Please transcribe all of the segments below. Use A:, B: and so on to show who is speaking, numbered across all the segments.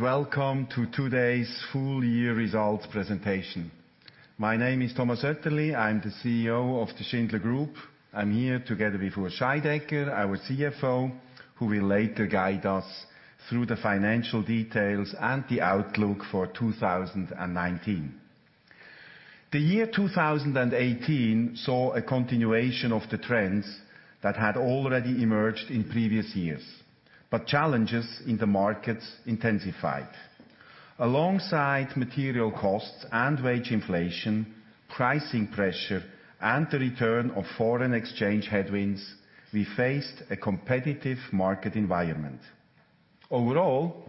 A: Welcome to today's full year results presentation. My name is Thomas Öetterli. I'm the CEO of the Schindler Group. I'm here together with Urs Scheidegger, our CFO, who will later guide us through the financial details and the outlook for 2019. The year 2018 saw a continuation of the trends that had already emerged in previous years, but challenges in the markets intensified. Alongside material costs and wage inflation, pricing pressure, and the return of foreign exchange headwinds, we faced a competitive market environment. Overall,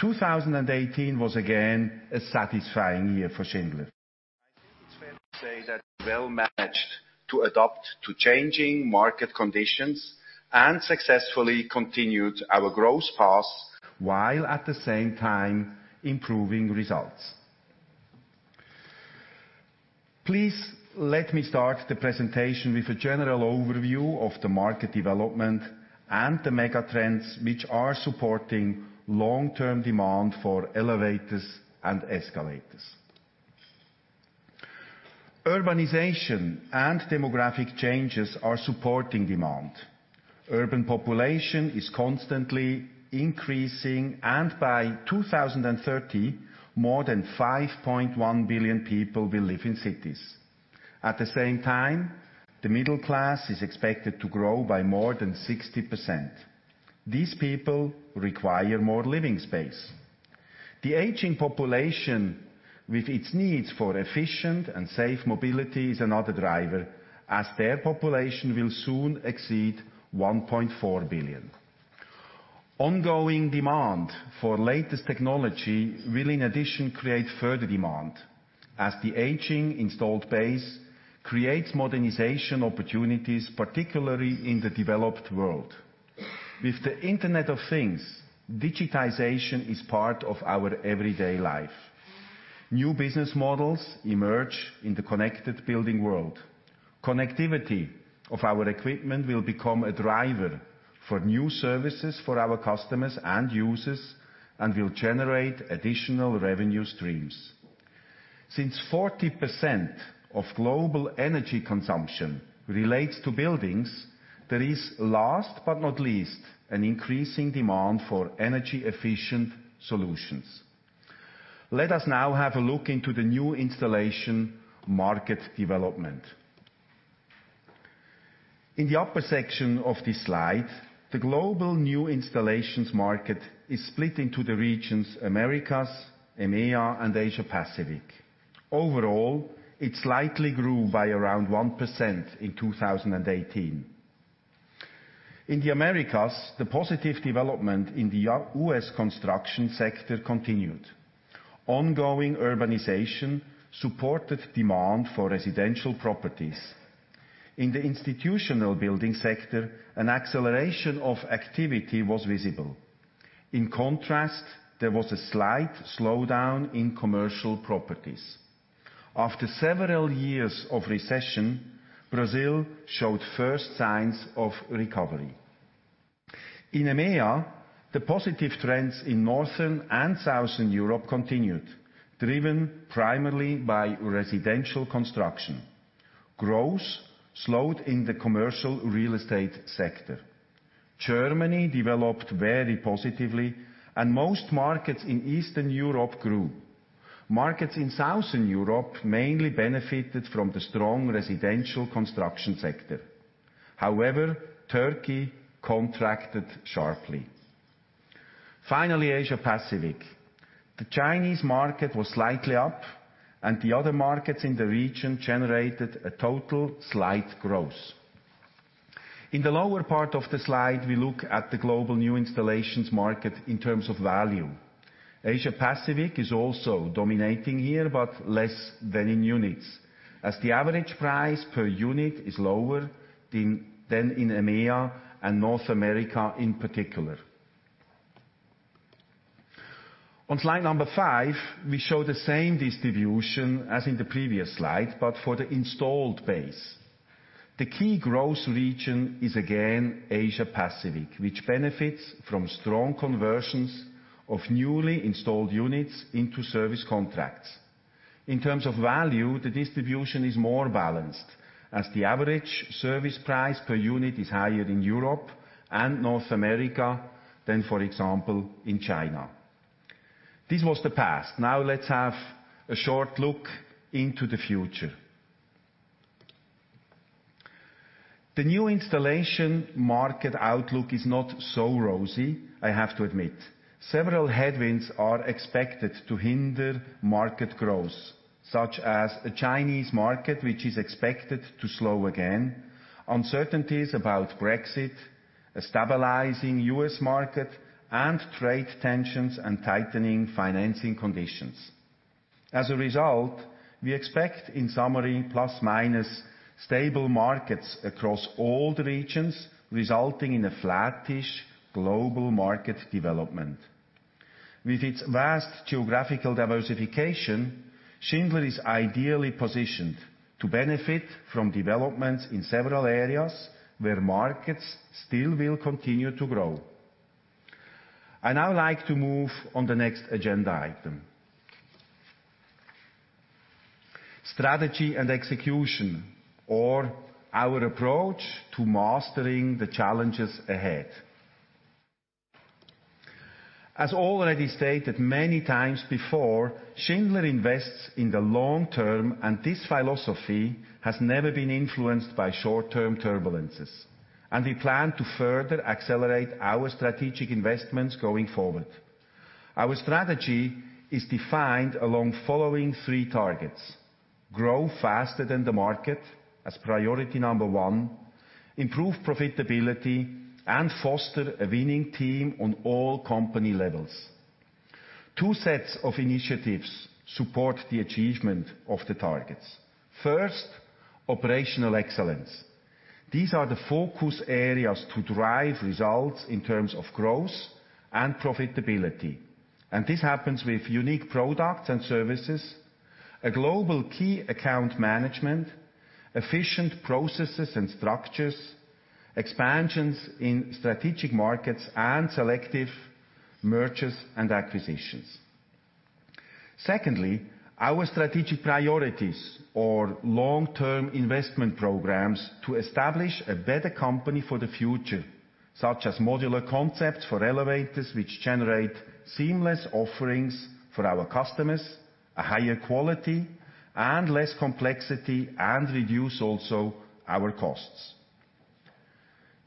A: 2018 was again a satisfying year for Schindler. I think it's fair to say that we well managed to adapt to changing market conditions and successfully continued our growth path while at the same time improving results. Please let me start the presentation with a general overview of the market development and the mega trends, which are supporting long-term demand for elevators and escalators. Urbanization and demographic changes are supporting demand. Urban population is constantly increasing. By 2030, more than 5.1 billion people will live in cities. At the same time, the middle class is expected to grow by more than 60%. These people require more living space. The aging population, with its needs for efficient and safe mobility, is another driver as their population will soon exceed 1.4 billion. Ongoing demand for latest technology will, in addition, create further demand as the aging installed base creates modernization opportunities, particularly in the developed world. With the Internet of Things, digitization is part of our everyday life. New business models emerge in the connected building world. Connectivity of our equipment will become a driver for new services for our customers and users and will generate additional revenue streams. Since 40% of global energy consumption relates to buildings, there is, last but not least, an increasing demand for energy-efficient solutions. Let us now have a look into the new installation market development. In the upper section of this slide, the global new installations market is split into the regions Americas, EMEA, Asia Pacific. Overall, it slightly grew by around 1% in 2018. In the Americas, the positive development in the U.S. construction sector continued. Ongoing urbanization supported demand for residential properties. In the institutional building sector, an acceleration of activity was visible. In contrast, there was a slight slowdown in commercial properties. After several years of recession, Brazil showed first signs of recovery. In EMEA, the positive trends in Northern and Southern Europe continued, driven primarily by residential construction. Growth slowed in the commercial real estate sector. Germany developed very positively. Most markets in Eastern Europe grew. Markets in Southern Europe mainly benefited from the strong residential construction sector. However, Turkey contracted sharply. Finally, Asia Pacific. The Chinese market was slightly up. The other markets in the region generated a total slight growth. In the lower part of the slide, we look at the global new installations market in terms of value. Asia Pacific is also dominating here, but less than in units, as the average price per unit is lower than in EMEA and North America in particular. On slide number 5, we show the same distribution as in the previous slide, but for the installed base. The key growth region is again Asia Pacific, which benefits from strong conversions of newly installed units into service contracts. In terms of value, the distribution is more balanced as the average service price per unit is higher in Europe and North America than, for example, in China. This was the past. Let's have a short look into the future. The new installation market outlook is not so rosy, I have to admit. Several headwinds are expected to hinder market growth, such as the Chinese market, which is expected to slow again, uncertainties about Brexit, a stabilizing U.S. market, and trade tensions and tightening financing conditions. As a result, we expect, in summary, plus/minus stable markets across all the regions, resulting in a flattish global market development. Its vast geographical diversification, Schindler is ideally positioned to benefit from developments in several areas where markets still will continue to grow. I now like to move on the next agenda item. Strategy and execution, or our approach to mastering the challenges ahead. As already stated many times before, Schindler invests in the long term, and this philosophy has never been influenced by short-term turbulences. We plan to further accelerate our strategic investments going forward. Our strategy is defined along following three targets: grow faster than the market as priority number one, improve profitability, and foster a winning team on all company levels. Two sets of initiatives support the achievement of the targets. First, operational excellence. These are the focus areas to drive results in terms of growth and profitability. This happens with unique products and services, a global key account management, efficient processes and structures, expansions in strategic markets, and selective mergers and acquisitions. Secondly, our strategic priorities or long-term investment programs to establish a better company for the future, such as modular concepts for elevators, which generate seamless offerings for our customers, a higher quality, and less complexity, and reduce also our costs.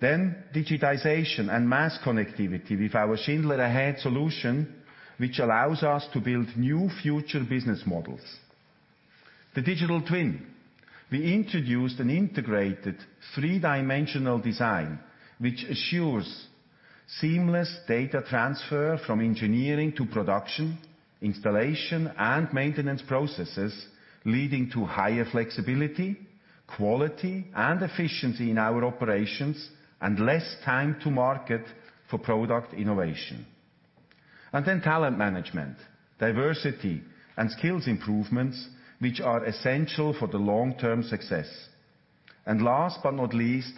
A: Digitization and mass connectivity with our Schindler Ahead solution, which allows us to build new future business models. The digital twin. We introduced an integrated three-dimensional design, which assures seamless data transfer from engineering to production, installation, and maintenance processes, leading to higher flexibility, quality, and efficiency in our operations, and less time to market for product innovation. Talent management, diversity, and skills improvements, which are essential for the long-term success. Last but not least,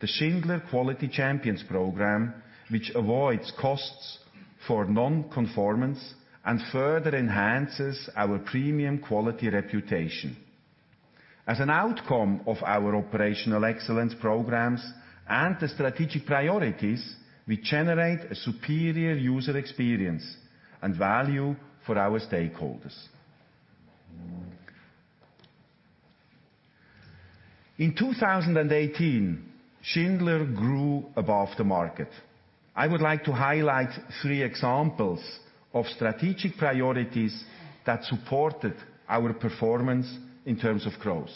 A: the Schindler Quality Champions Program, which avoids costs for non-conformance and further enhances our premium quality reputation. As an outcome of our operational excellence programs and the strategic priorities, we generate a superior user experience and value for our stakeholders. In 2018, Schindler grew above the market. I would like to highlight three examples of strategic priorities that supported our performance in terms of growth.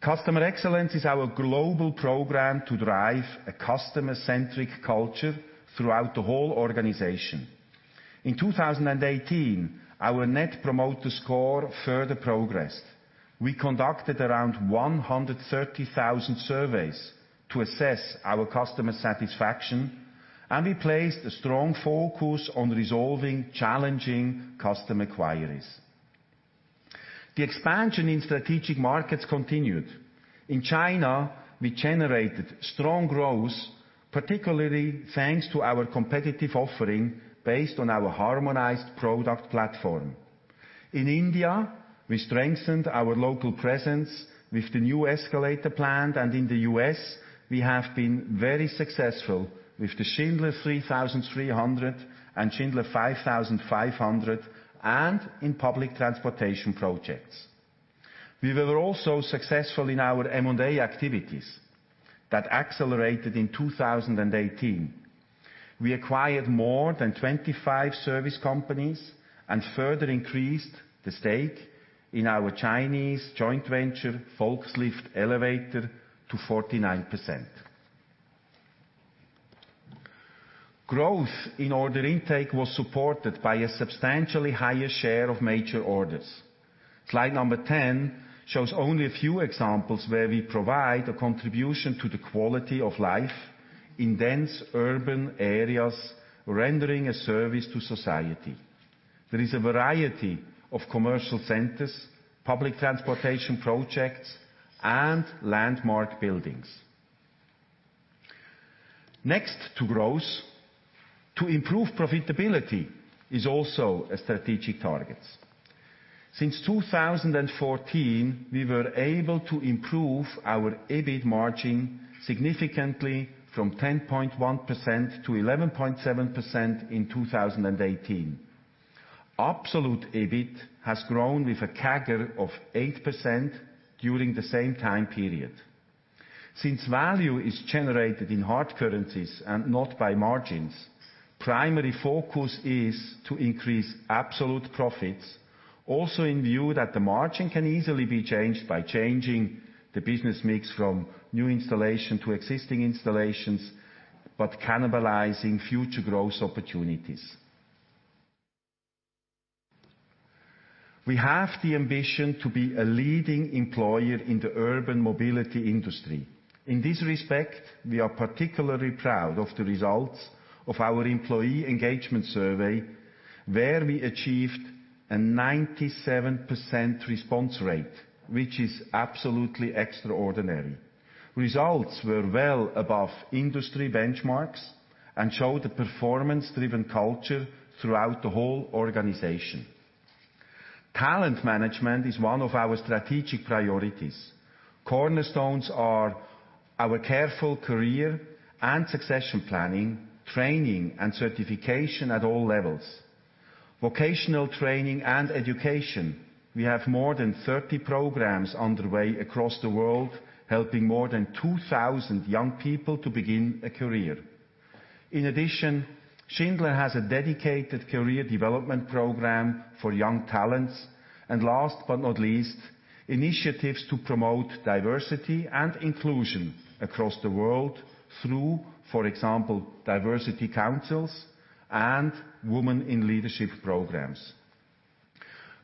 A: Customer excellence is our global program to drive a customer-centric culture throughout the whole organization. In 2018, our Net Promoter Score further progressed. We conducted around 130,000 surveys to assess our customer satisfaction, and we placed a strong focus on resolving challenging customer inquiries. The expansion in strategic markets continued. In China, we generated strong growth, particularly thanks to our competitive offering based on our harmonized product platform. In India, we strengthened our local presence with the new escalator plant, and in the U.S., we have been very successful with the Schindler 3300 and Schindler 5500 and in public transportation projects. We were also successful in our M&A activities that accelerated in 2018. We acquired more than 25 service companies and further increased the stake in our Chinese joint venture, Volkslift Elevator, to 49%. Growth in order intake was supported by a substantially higher share of major orders. Slide number 10 shows only a few examples where we provide a contribution to the quality of life in dense urban areas, rendering a service to society. There is a variety of commercial centers, public transportation projects, and landmark buildings. Next to growth, to improve profitability is also a strategic target. Since 2014, we were able to improve our EBIT margin significantly from 10.1% to 11.7% in 2018. Absolute EBIT has grown with a CAGR of 8% during the same time period. Since value is generated in hard currencies and not by margins, primary focus is to increase absolute profits, also in view that the margin can easily be changed by changing the business mix from new installation to existing installations, but cannibalizing future growth opportunities. We have the ambition to be a leading employer in the urban mobility industry. In this respect, we are particularly proud of the results of our employee engagement survey, where we achieved a 97% response rate, which is absolutely extraordinary. Results were well above industry benchmarks and show the performance-driven culture throughout the whole organization. Talent management is one of our strategic priorities. Cornerstones are our careful career and succession planning, training, and certification at all levels. Vocational training and education. We have more than 30 programs underway across the world, helping more than 2,000 young people to begin a career. In addition, Schindler has a dedicated career development program for young talents and last but not least, initiatives to promote diversity and inclusion across the world through, for example, diversity councils and women-in-leadership programs.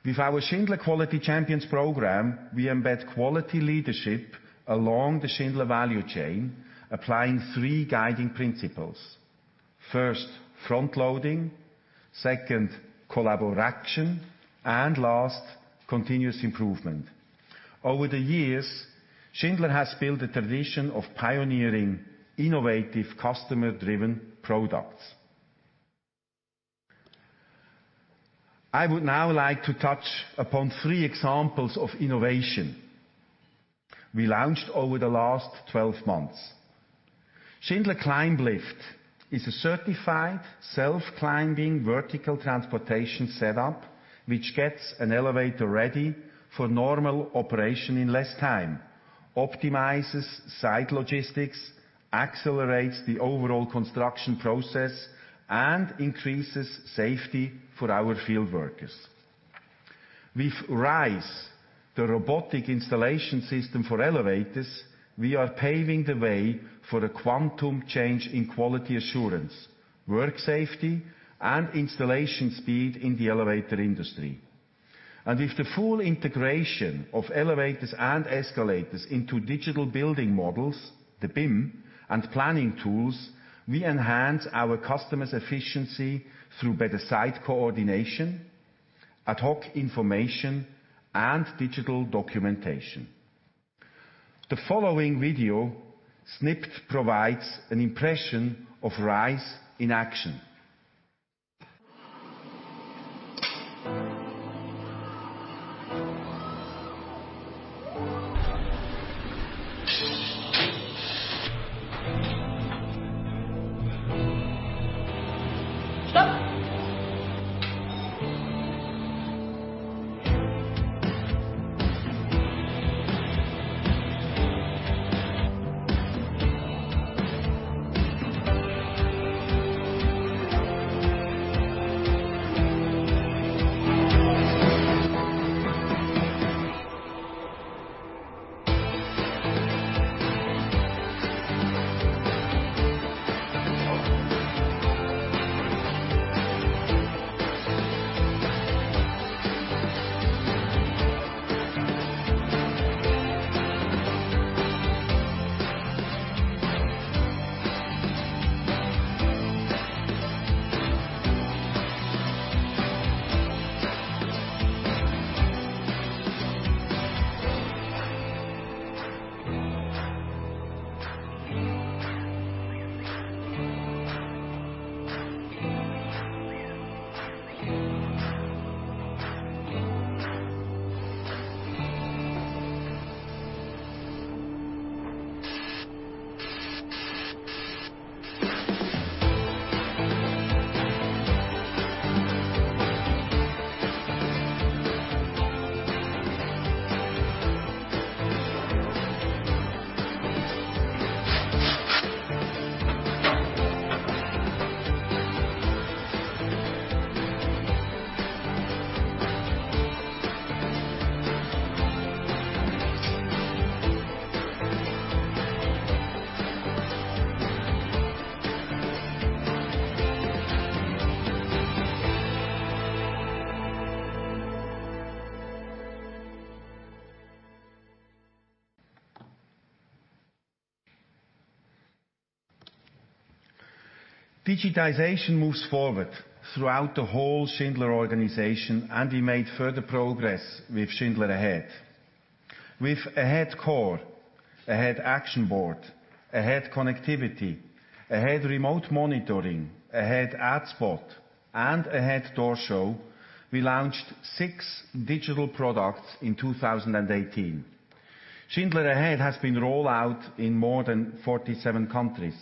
A: With our Schindler Quality Champions Program, we embed quality leadership along the Schindler value chain, applying three guiding principles. First, front-loading, second, collabor-action, and last, continuous improvement. Over the years, Schindler has built a tradition of pioneering innovative customer-driven products. I would now like to touch upon three examples of innovation we launched over the last 12 months. Schindler CLIMB Lift is a certified self-climbing vertical transportation setup, which gets an elevator ready for normal operation in less time, optimizes site logistics, accelerates the overall construction process, and increases safety for our field workers. With RISE, the robotic installation system for elevators, we are paving the way for a quantum change in quality assurance, work safety, and installation speed in the elevator industry. With the full integration of elevators and escalators into digital building models, the BIM, and planning tools, we enhance our customers' efficiency through better site coordination, ad hoc information, and digital documentation. The following video snip provides an impression of RISE in action. Digitization moves forward throughout the whole Schindler organization. We made further progress with Schindler Ahead. With Ahead Core, Ahead ActionBoard, Ahead Connectivity, Ahead RemoteMonitoring, Ahead AdSpot, and Ahead DoorShow, we launched six digital products in 2018. Schindler Ahead has been rolled out in more than 47 countries.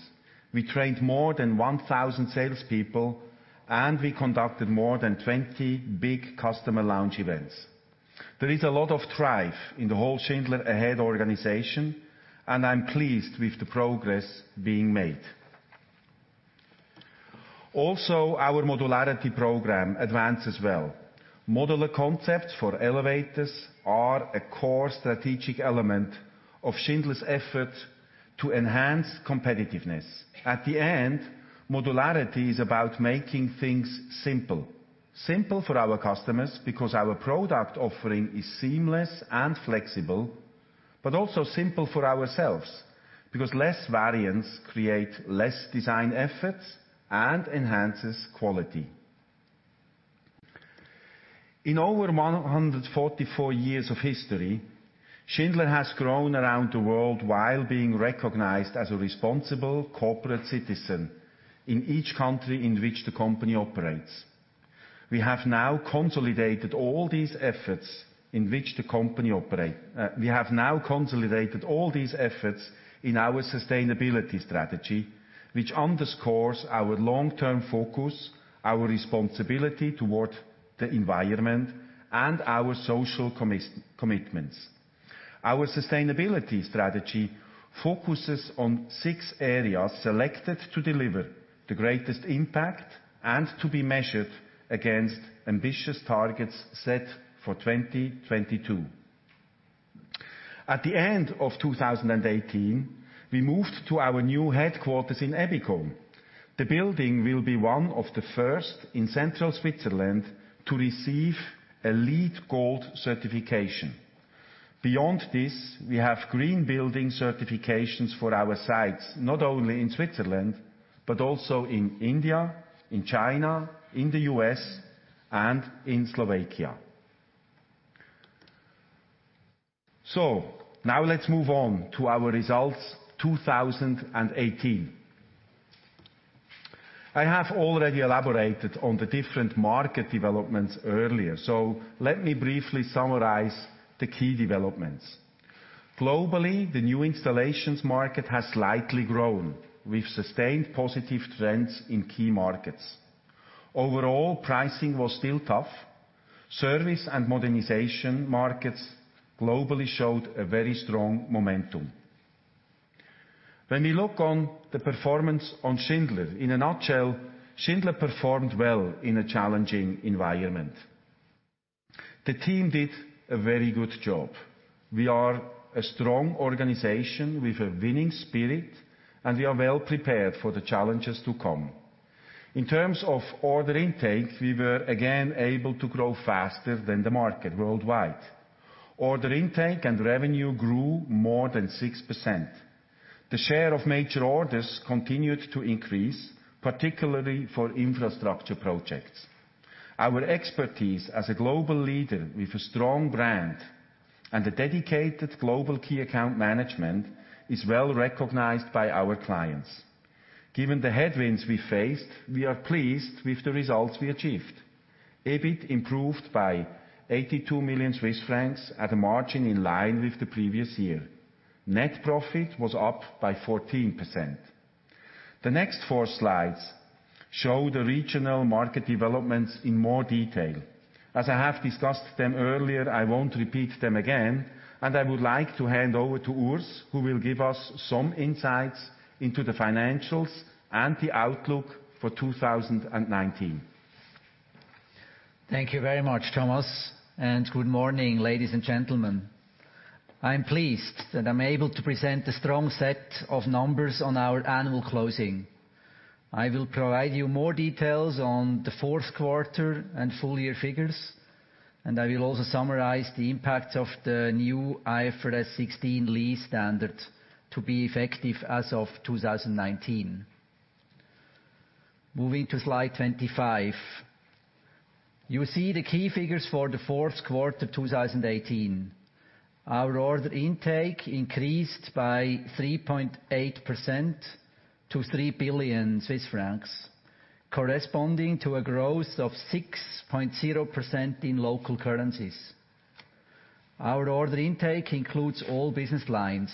A: We trained more than 1,000 salespeople. We conducted more than 20 big customer launch events. There is a lot of drive in the whole Schindler Ahead organization. I'm pleased with the progress being made. Also, our modularity program advanced as well. Modular concepts for elevators are a core strategic element of Schindler's effort to enhance competitiveness. At the end, modularity is about making things simple. Simple for our customers because our product offering is seamless and flexible. Also simple for ourselves, because less variance create less design efforts and enhances quality. In over 144 years of history, Schindler has grown around the world while being recognized as a responsible corporate citizen in each country in which the company operates. We have now consolidated all these efforts in our sustainability strategy, which underscores our long-term focus, our responsibility toward the environment, and our social commitments. Our sustainability strategy focuses on six areas selected to deliver the greatest impact and to be measured against ambitious targets set for 2022. At the end of 2018, we moved to our new headquarters in Ebikon. The building will be one of the first in central Switzerland to receive a LEED Gold certification. Beyond this, we have green building certifications for our sites, not only in Switzerland, but also in India, in China, in the U.S., and in Slovakia. Now let's move on to our results 2018. I have already elaborated on the different market developments earlier, let me briefly summarize the key developments. Globally, the new installations market has slightly grown with sustained positive trends in key markets. Overall, pricing was still tough. Service and modernization markets globally showed a very strong momentum. When we look on the performance on Schindler, in a nutshell, Schindler performed well in a challenging environment. The team did a very good job. We are a strong organization with a winning spirit, and we are well prepared for the challenges to come. In terms of order intake, we were again able to grow faster than the market worldwide. Order intake and revenue grew more than 6%. The share of major orders continued to increase, particularly for infrastructure projects. Our expertise as a global leader with a strong brand and a dedicated global key account management is well-recognized by our clients. Given the headwinds we faced, we are pleased with the results we achieved. EBIT improved by 82 million Swiss francs at a margin in line with the previous year. Net profit was up by 14%. The next four slides show the regional market developments in more detail. As I have discussed them earlier, I won't repeat them again, I would like to hand over to Urs, who will give us some insights into the financials and the outlook for 2019.
B: Thank you very much, Thomas, good morning, ladies and gentlemen. I'm pleased that I'm able to present a strong set of numbers on our annual closing. I will provide you more details on the fourth quarter and full-year figures, I will also summarize the impacts of the new IFRS 16 lease standard to be effective as of 2019. Moving to slide 25. You see the key figures for the fourth quarter 2018. Our order intake increased by 3.8% to 3 billion Swiss francs, corresponding to a growth of 6.0% in local currencies. Our order intake includes all business lines,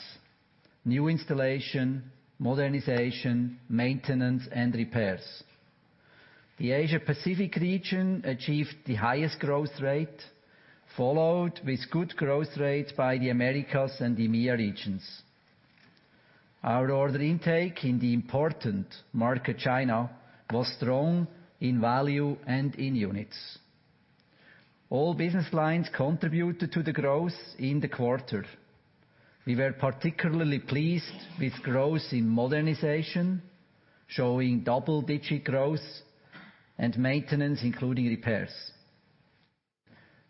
B: new installation, modernization, maintenance, and repairs. The Asia Pacific region achieved the highest growth rate, followed with good growth rates by the Americas and the EMEA regions. Our order intake in the important market, China, was strong in value and in units. All business lines contributed to the growth in the quarter. We were particularly pleased with growth in modernization, showing double-digit growth and maintenance, including repairs.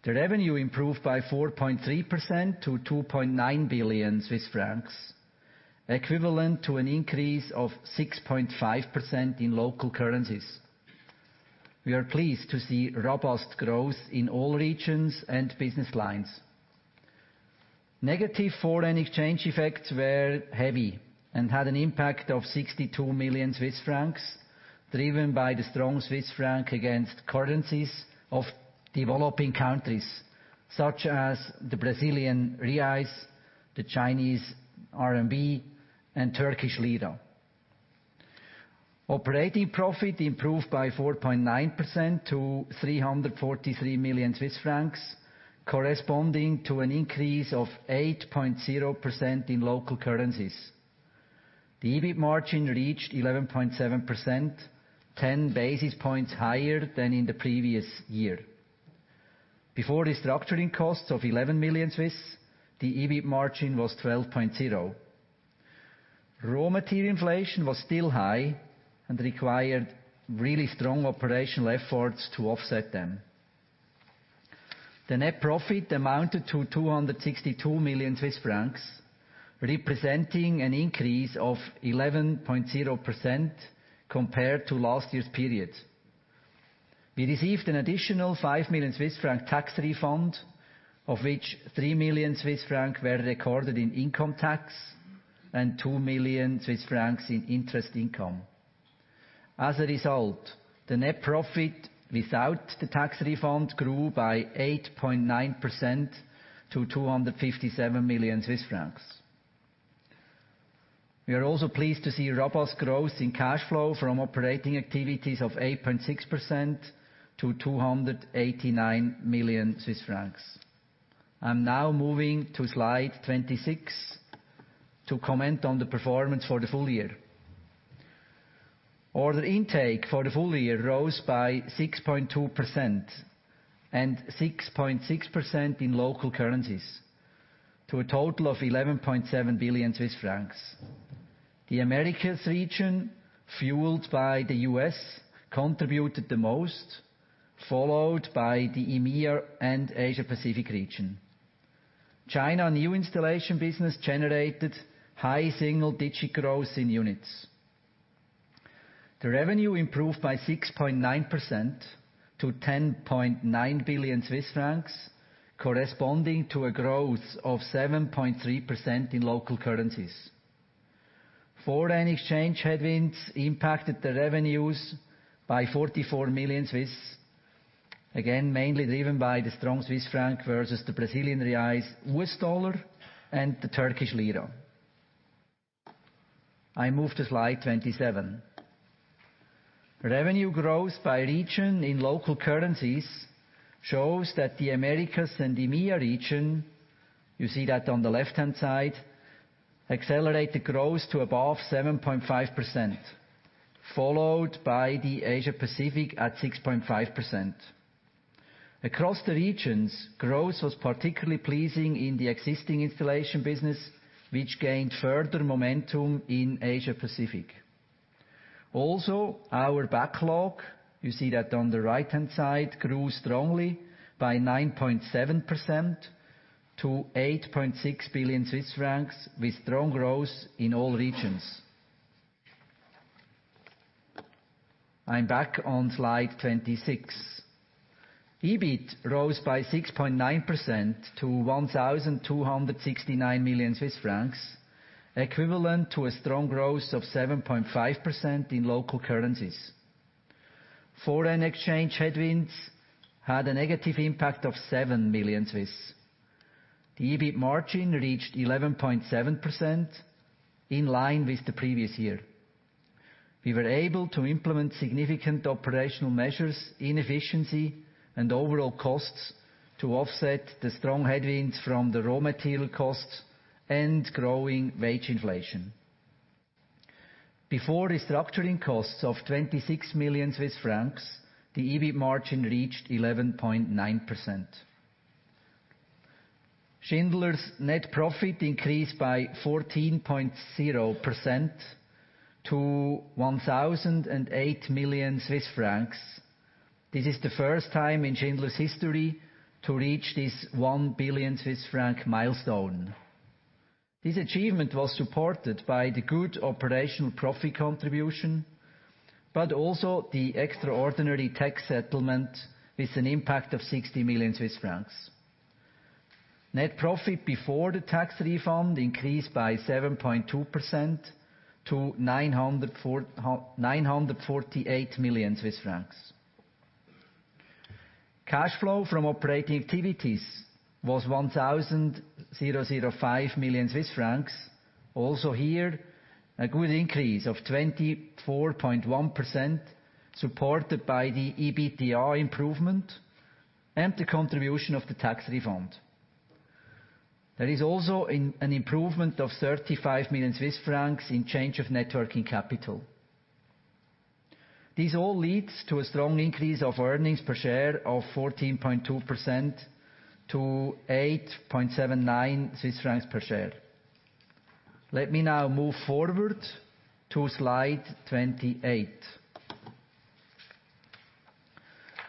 B: The revenue improved by 4.3% to 2.9 billion Swiss francs, equivalent to an increase of 6.5% in local currencies. We are pleased to see robust growth in all regions and business lines. Negative foreign exchange effects were heavy and had an impact of 62 million Swiss francs, driven by the strong Swiss franc against currencies of developing countries, such as the BRL, the CNY, and TRY. Operating profit improved by 4.9% to 343 million Swiss francs, corresponding to an increase of 8.0% in local currencies. The EBIT margin reached 11.7%, 10 basis points higher than in the previous year. Before restructuring costs of 11 million, the EBIT margin was 12.0%. Raw material inflation was still high and required really strong operational efforts to offset them. The net profit amounted to 262 million Swiss francs, representing an increase of 11.0% compared to last year's period. We received an additional 5 million Swiss franc tax refund, of which 3 million Swiss francs were recorded in income tax and 2 million Swiss francs in interest income. As a result, the net profit without the tax refund grew by 8.9% to CHF 257 million. We are also pleased to see robust growth in cash flow from operating activities of 8.6% to 289 million Swiss francs. I'm now moving to slide 26 to comment on the performance for the full year. Order intake for the full year rose by 6.2% and 6.6% in local currencies to a total of 11.7 billion Swiss francs. The Americas region, fueled by the U.S., contributed the most, followed by the EMEA and Asia Pacific region. China new installation business generated high single-digit growth in units. The revenue improved by 6.9% to 10.9 billion Swiss francs, corresponding to a growth of 7.3% in local currencies. Foreign exchange headwinds impacted the revenues by 44 million, again, mainly driven by the strong Swiss franc versus the BRL, USD, and the TRY. I move to slide 27. Revenue growth by region in local currencies shows that the Americas and EMEA region, you see that on the left-hand side, accelerated growth to above 7.5%, followed by the Asia Pacific at 6.5%. Across the regions, growth was particularly pleasing in the existing installation business, which gained further momentum in Asia Pacific. Our backlog, you see that on the right-hand side, grew strongly by 9.7% to 8.6 billion Swiss francs with strong growth in all regions. I'm back on slide 26. EBIT rose by 6.9% to 1,269 million Swiss francs, equivalent to a strong growth of 7.5% in local currencies. Foreign exchange headwinds had a negative impact of 7 million. The EBIT margin reached 11.7%, in line with the previous year. We were able to implement significant operational measures in efficiency and overall costs to offset the strong headwinds from the raw material costs and growing wage inflation. Before restructuring costs of 26 million Swiss francs, the EBIT margin reached 11.9%. Schindler's net profit increased by 14.0% to 1,008 million Swiss francs. This is the first time in Schindler's history to reach this 1 billion Swiss franc milestone. This achievement was supported by the good operational profit contribution, also the extraordinary tax settlement with an impact of 60 million Swiss francs. Net profit before the tax refund increased by 7.2% to CHF 948 million. Cash flow from operating activities was 1,005 million Swiss francs. Here, a good increase of 24.1%, supported by the EBITDA improvement and the contribution of the tax refund. There is also an improvement of 35 million Swiss francs in change of net working capital. This all leads to a strong increase of earnings per share of 14.2% to 8.79 Swiss francs per share. Let me now move forward to slide 28.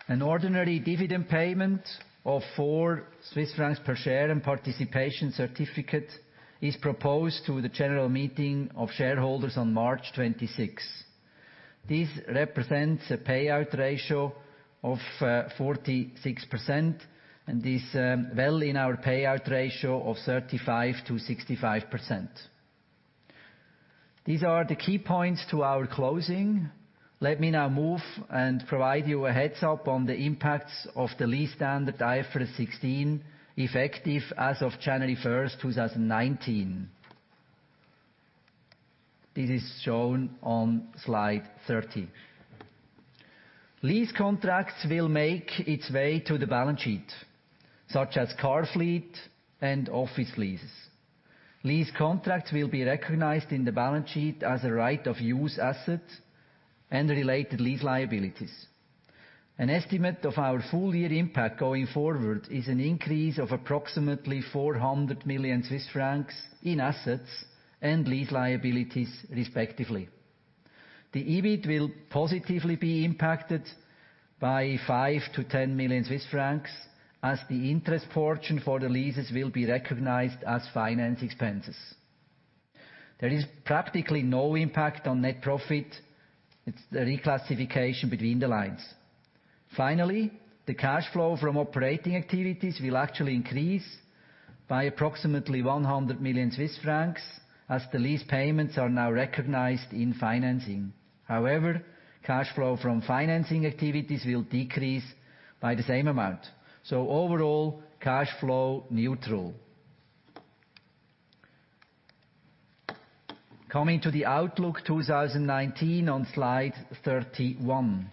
B: An ordinary dividend payment of 4 Swiss francs per share and participation certificate is proposed to the general meeting of shareholders on March 26th. This represents a payout ratio of 46%, is well in our payout ratio of 35%-65%. These are the key points to our closing. Let me now move and provide you a heads-up on the impacts of the lease standard IFRS 16, effective as of January 1st, 2019. This is shown on slide 30. Lease contracts will make its way to the balance sheet, such as car fleet and office leases. Lease contracts will be recognized in the balance sheet as a right-of-use asset and related lease liabilities. An estimate of our full year impact going forward is an increase of approximately 400 million Swiss francs in assets and lease liabilities respectively. The EBIT will positively be impacted by 5 million-10 million Swiss francs, as the interest portion for the leases will be recognized as finance expenses. There is practically no impact on net profit. It's the reclassification between the lines. Finally, the cash flow from operating activities will actually increase by approximately 100 million Swiss francs, as the lease payments are now recognized in financing. However, cash flow from financing activities will decrease by the same amount. Overall, cash flow neutral. Coming to the outlook 2019 on slide 31.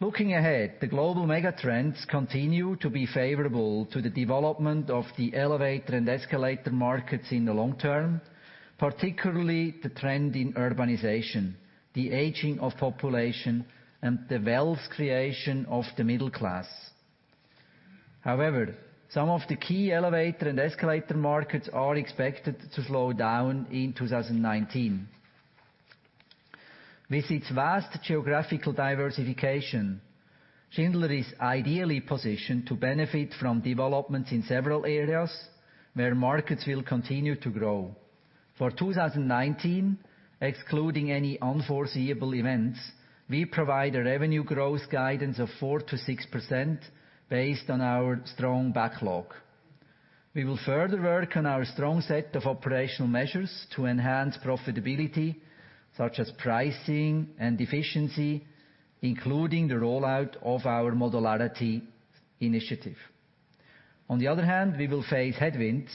B: Looking ahead, the global mega trends continue to be favorable to the development of the elevator and escalator markets in the long term, particularly the trend in urbanization, the aging of population, and the wealth creation of the middle class. However, some of the key elevator and escalator markets are expected to slow down in 2019. With its vast geographical diversification, Schindler is ideally positioned to benefit from developments in several areas where markets will continue to grow. For 2019, excluding any unforeseeable events, we provide a revenue growth guidance of 4%-6% based on our strong backlog. We will further work on our strong set of operational measures to enhance profitability, such as pricing and efficiency, including the rollout of our modularity initiative. We will face headwinds,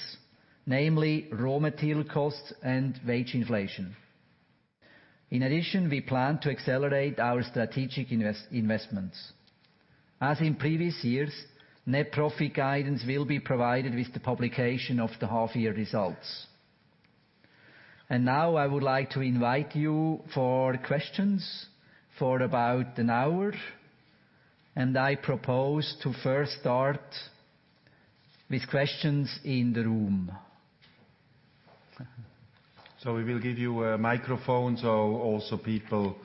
B: namely raw material costs and wage inflation. We plan to accelerate our strategic investments. As in previous years, net profit guidance will be provided with the publication of the half-year results. Now I would like to invite you for questions for about an hour, I propose to first start with questions in the room.
A: We will give you a microphone, so also people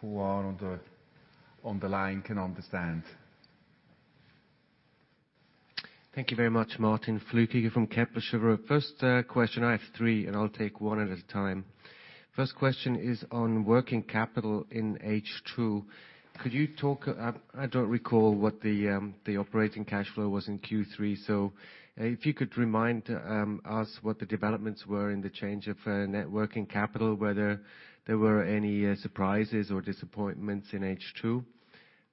A: who are on the line can understand.
C: Thank you very much, Martin Flückiger from Kepler Cheuvreux. First question, I have three, and I'll take one at a time. First question is on working capital in H2. Could you talk I don't recall what the operating cash flow was in Q3, so if you could remind us what the developments were in the change of net working capital, whether there were any surprises or disappointments in H2.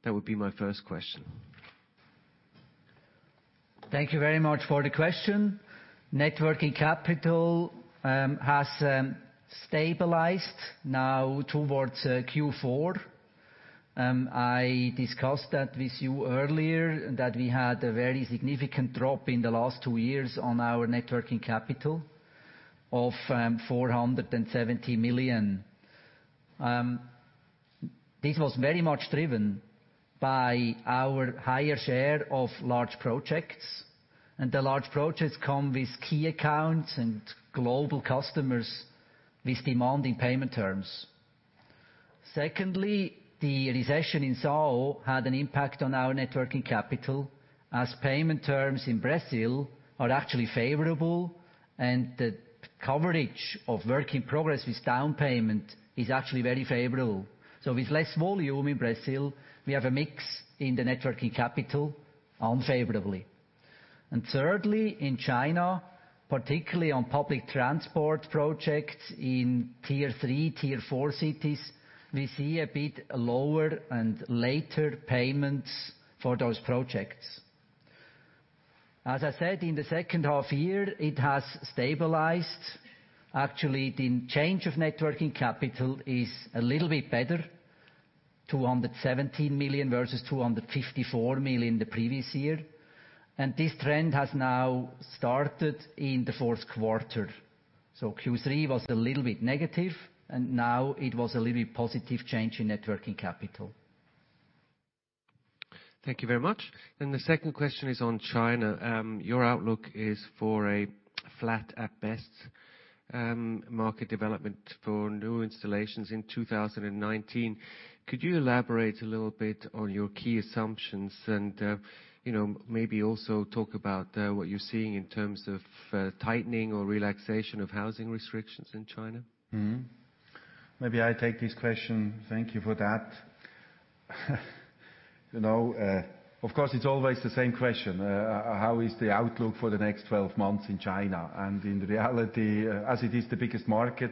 C: That would be my first question.
B: Thank you very much for the question. Net working capital has stabilized now towards Q4. I discussed that with you earlier, that we had a very significant drop in the last two years on our net working capital of 470 million. This was very much driven by our higher share of large projects, and the large projects come with key accounts and global customers with demanding payment terms. Secondly, the recession in São Paulo had an impact on our net working capital, as payment terms in Brazil are actually favorable, and the coverage of work in progress with down payment is actually very favorable. With less volume in Brazil, we have a mix in the net working capital unfavorably. Thirdly, in China, particularly on public transport projects in tier 3, tier 4 cities, we see a bit lower and later payments for those projects. As I said, in the second half year, it has stabilized. Actually, the change of net working capital is a little bit better, 217 million versus 254 million the previous year. This trend has now started in the fourth quarter. Q3 was a little bit negative, and now it was a little bit positive change in net working capital.
C: Thank you very much. The second question is on China. Your outlook is for a flat at best market development for new installations in 2019. Could you elaborate a little bit on your key assumptions and maybe also talk about what you're seeing in terms of tightening or relaxation of housing restrictions in China?
A: Maybe I take this question. Thank you for that. Of course, it's always the same question. How is the outlook for the next 12 months in China? In reality, as it is the biggest market,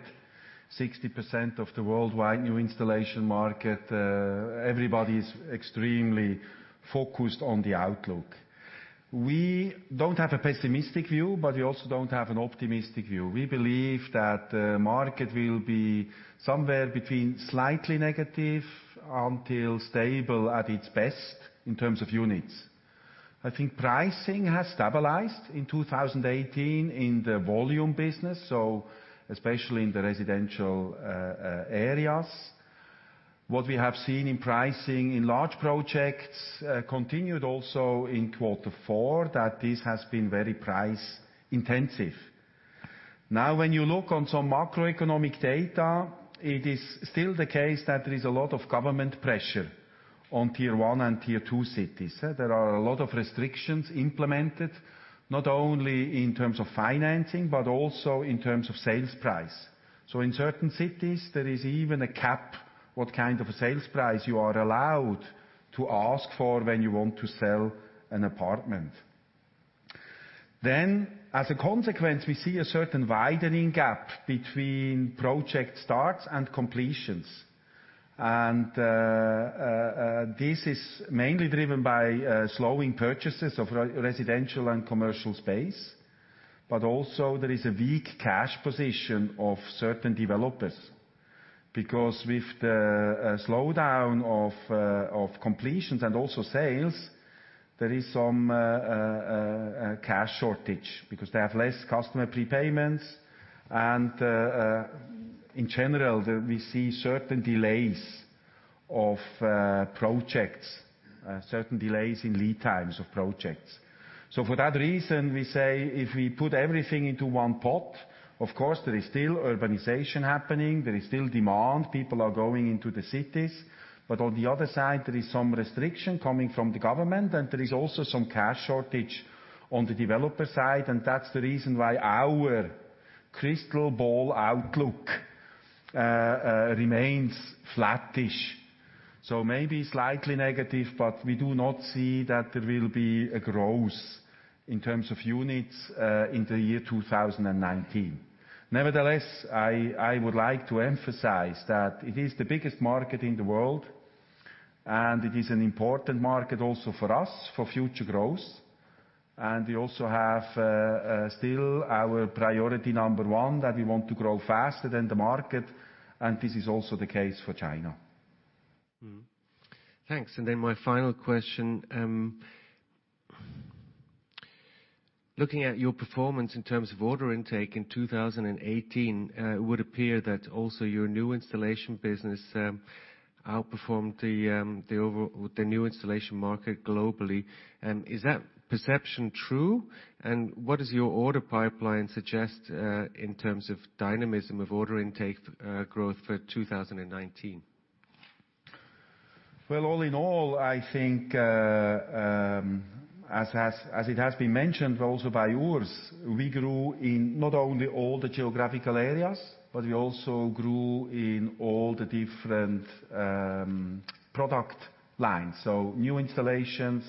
A: 60% of the worldwide new installation market, everybody's extremely focused on the outlook. We don't have a pessimistic view, but we also don't have an optimistic view. We believe that the market will be somewhere between slightly negative until stable at its best in terms of units. I think pricing has stabilized in 2018 in the volume business, especially in the residential areas. What we have seen in pricing in large projects continued also in quarter four, that this has been very price intensive. When you look on some macroeconomic data, it is still the case that there is a lot of government pressure on tier 1 and tier 2 cities. There are a lot of restrictions implemented, not only in terms of financing, but also in terms of sales price. In certain cities, there is even a cap, what kind of a sales price you are allowed to ask for when you want to sell an apartment. As a consequence, we see a certain widening gap between project starts and completions. This is mainly driven by slowing purchases of residential and commercial space. Also there is a weak cash position of certain developers, because with the slowdown of completions and also sales, there is some cash shortage because they have less customer prepayments and, in general, we see certain delays of projects, certain delays in lead times of projects. For that reason, we say if we put everything into one pot, of course there is still urbanization happening, there is still demand. People are going into the cities. On the other side, there is some restriction coming from the government, and there is also some cash shortage on the developer side. That's the reason why our crystal ball outlook remains flattish. Maybe slightly negative, but we do not see that there will be a growth in terms of units in the year 2019. Nevertheless, I would like to emphasize that it is the biggest market in the world, and it is an important market also for us, for future growth. We also have, still our priority number 1, that we want to grow faster than the market, and this is also the case for China.
C: Thanks. My final question, looking at your performance in terms of order intake in 2018, it would appear that also your new installation business outperformed the new installation market globally. Is that perception true? What does your order pipeline suggest, in terms of dynamism of order intake, growth for 2019?
A: Well, all in all, I think, as it has been mentioned also by Urs, we grew in not only all the geographical areas, but we also grew in all the different product lines: new installations,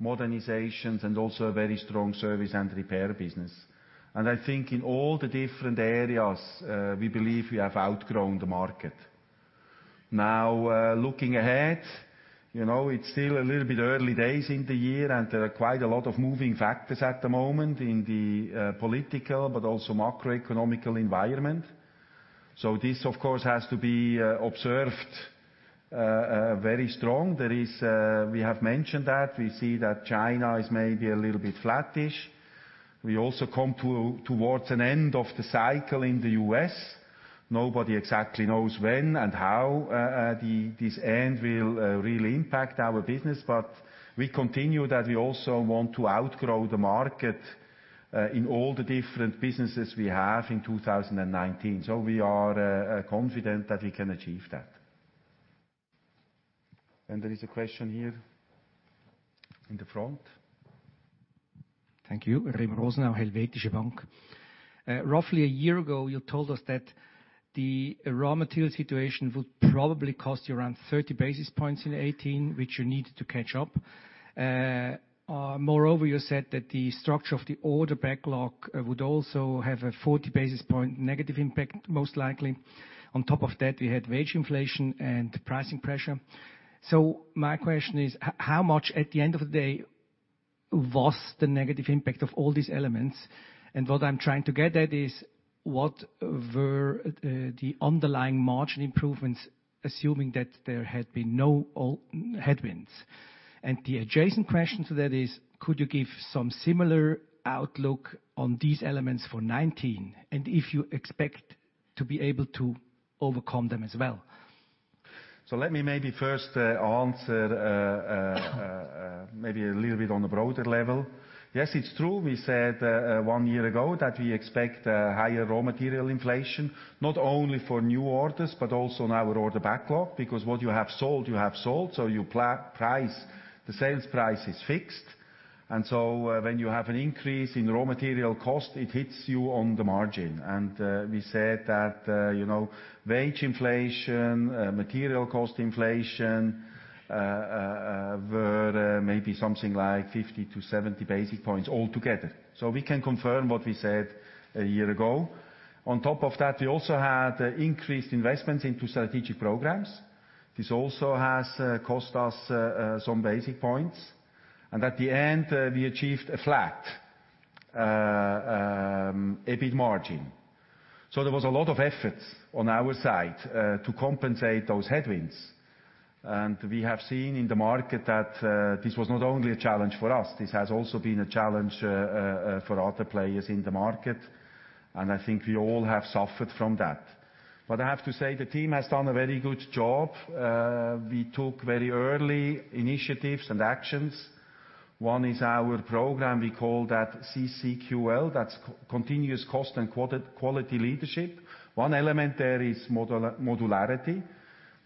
A: modernizations, and also a very strong service and repair business. I think in all the different areas, we believe we have outgrown the market. Now, looking ahead, it's still a little bit early days in the year, and there are quite a lot of moving factors at the moment in the political but also macroeconomic environment. This, of course, has to be observed very strong. We have mentioned that. We see that China is maybe a little bit flattish. We also come towards an end of the cycle in the U.S. Nobody exactly knows when and how this end will really impact our business, but we continue that we also want to outgrow the market, in all the different businesses we have in 2019. We are confident that we can achieve that. There is a question here in the front.
D: Thank you. Remo Rosenau, Helvetische Bank. Roughly a year ago, you told us that the raw material situation would probably cost you around 30 basis points in 2018, which you needed to catch up. Moreover, you said that the structure of the order backlog would also have a 40 basis point negative impact, most likely. On top of that, we had wage inflation and pricing pressure. My question is: how much at the end of the day was the negative impact of all these elements? What I'm trying to get at is, what were the underlying margin improvements, assuming that there had been no headwinds? The adjacent question to that is, could you give some similar outlook on these elements for 2019? If you expect to be able to overcome them as well?
A: Let me maybe first answer, maybe a little bit on the broader level. Yes, it's true. We said, one year ago that we expect higher raw material inflation, not only for new orders, but also in our order backlog, because what you have sold, you have sold, so the sales price is fixed. When you have an increase in raw material cost, it hits you on the margin. We said that wage inflation, material cost inflation, were maybe something like 50-70 basis points altogether. We can confirm what we said a year ago. On top of that, we also had increased investments into strategic programs. This also has cost us some basis points. At the end, we achieved a flat EBIT margin. There was a lot of efforts on our side to compensate those headwinds. We have seen in the market that this was not only a challenge for us, this has also been a challenge for other players in the market, and I think we all have suffered from that. I have to say, the team has done a very good job. We took very early initiatives and actions. One is our program, we call that CCQL. That's Continuous Cost and Quality Leadership. One element there is modularity,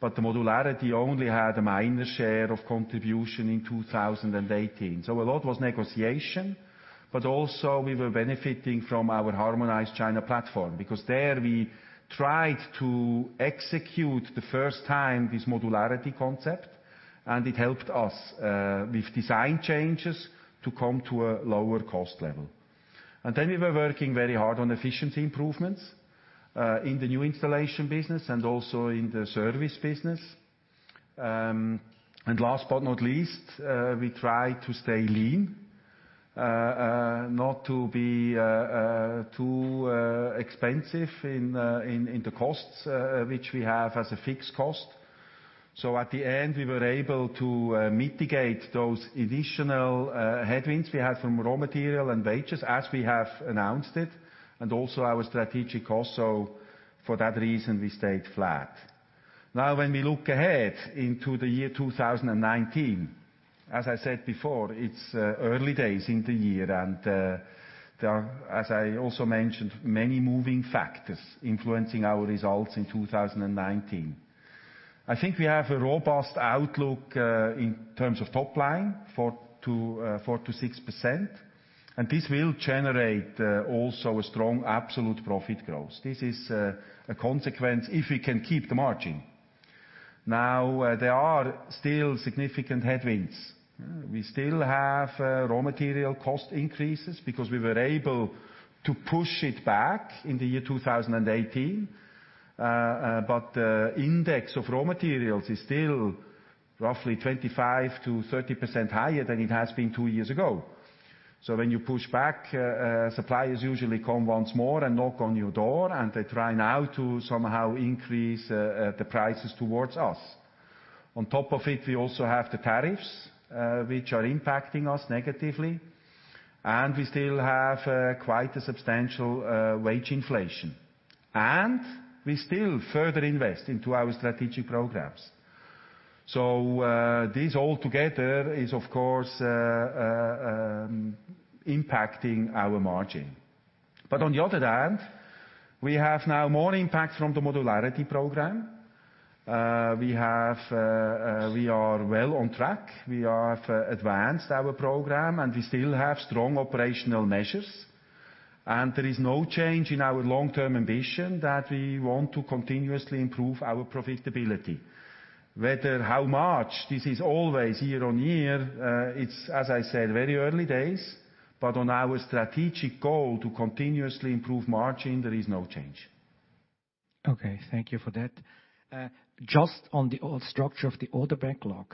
A: but the modularity only had a minor share of contribution in 2018. A lot was negotiation, but also, we were benefiting from our harmonized China platform, because there we tried to execute the first time this modularity concept, and it helped us with design changes to come to a lower cost level. We were working very hard on efficiency improvements, in the new installation business and also in the service business. Last but not least, we tried to stay lean, not to be too expensive in the costs, which we have as a fixed cost. At the end, we were able to mitigate those additional headwinds we had from raw material and wages, as we have announced it, and also our strategic costs. For that reason, we stayed flat. When we look ahead into the year 2019, as I said before, it's early days in the year and there are, as I also mentioned, many moving factors influencing our results in 2019. I think we have a robust outlook in terms of top line, 4%-6%, and this will generate also a strong absolute profit growth. This is a consequence if we can keep the margin. There are still significant headwinds. We still have raw material cost increases, because we were able to push it back in the year 2018. Index of raw materials is still roughly 25%-30% higher than it has been two years ago. When you push back, suppliers usually come once more and knock on your door, and they try now to somehow increase the prices towards us. On top of it, we also have the tariffs, which are impacting us negatively. We still have quite a substantial wage inflation. We still further invest into our strategic programs. This all together is, of course, impacting our margin. On the other hand, we have now more impact from the modularity program. We are well on track. We have advanced our program, and we still have strong operational measures. There is no change in our long-term ambition, that we want to continuously improve our profitability. Whether how much, this is always year-on-year, it's, as I said, very early days. On our strategic goal to continuously improve margin, there is no change.
D: Okay, thank you for that. Just on the structure of the order backlog,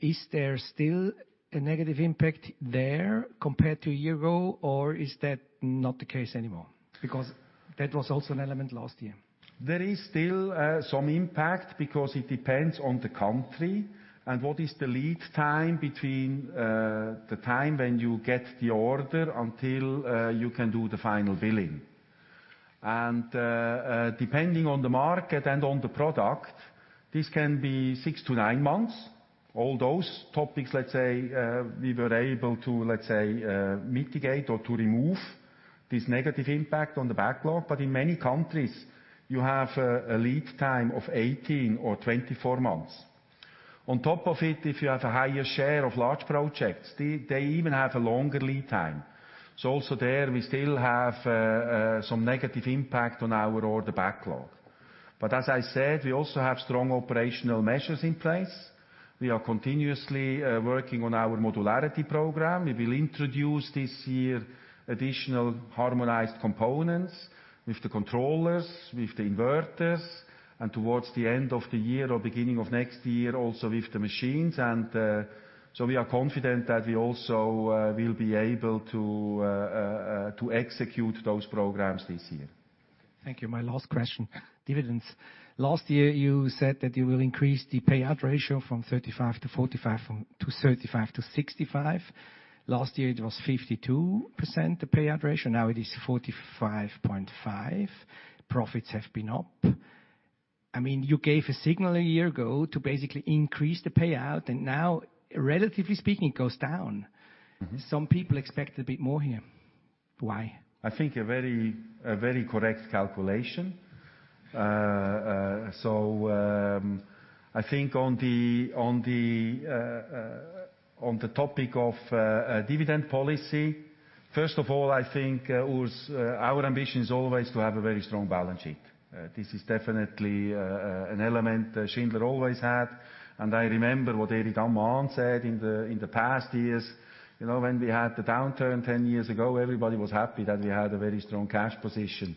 D: is there still a negative impact there compared to a year ago, or is that not the case anymore? That was also an element last year.
A: There is still some impact because it depends on the country, and what is the lead time between the time when you get the order until you can do the final billing. Depending on the market and on the product, this can be six-nine months. All those topics, let's say, we were able to mitigate or to remove this negative impact on the backlog. In many countries, you have a lead time of 18 or 24 months. On top of it, if you have a higher share of large projects, they even have a longer lead time. Also there, we still have some negative impact on our order backlog. As I said, we also have strong operational measures in place. We are continuously working on our modularity program. We will introduce this year additional harmonized components with the controllers, with the inverters, and towards the end of the year or beginning of next year, also with the machines. We are confident that we also will be able to execute those programs this year.
D: Thank you. My last question: dividends. Last year you said that you will increase the payout ratio from 35% to 65%. Last year it was 52%, the payout ratio, now it is 45.5%. Profits have been up. You gave a signal a year ago to basically increase the payout, and now, relatively speaking, it goes down. Some people expected a bit more here. Why?
A: I think a very correct calculation. I think on the topic of dividend policy, first of all, I think, Urs, our ambition is always to have a very strong balance sheet. This is definitely an element Schindler always had, and I remember what Erich Ammann said in the past years. When we had the downturn 10 years ago, everybody was happy that we had a very strong cash position.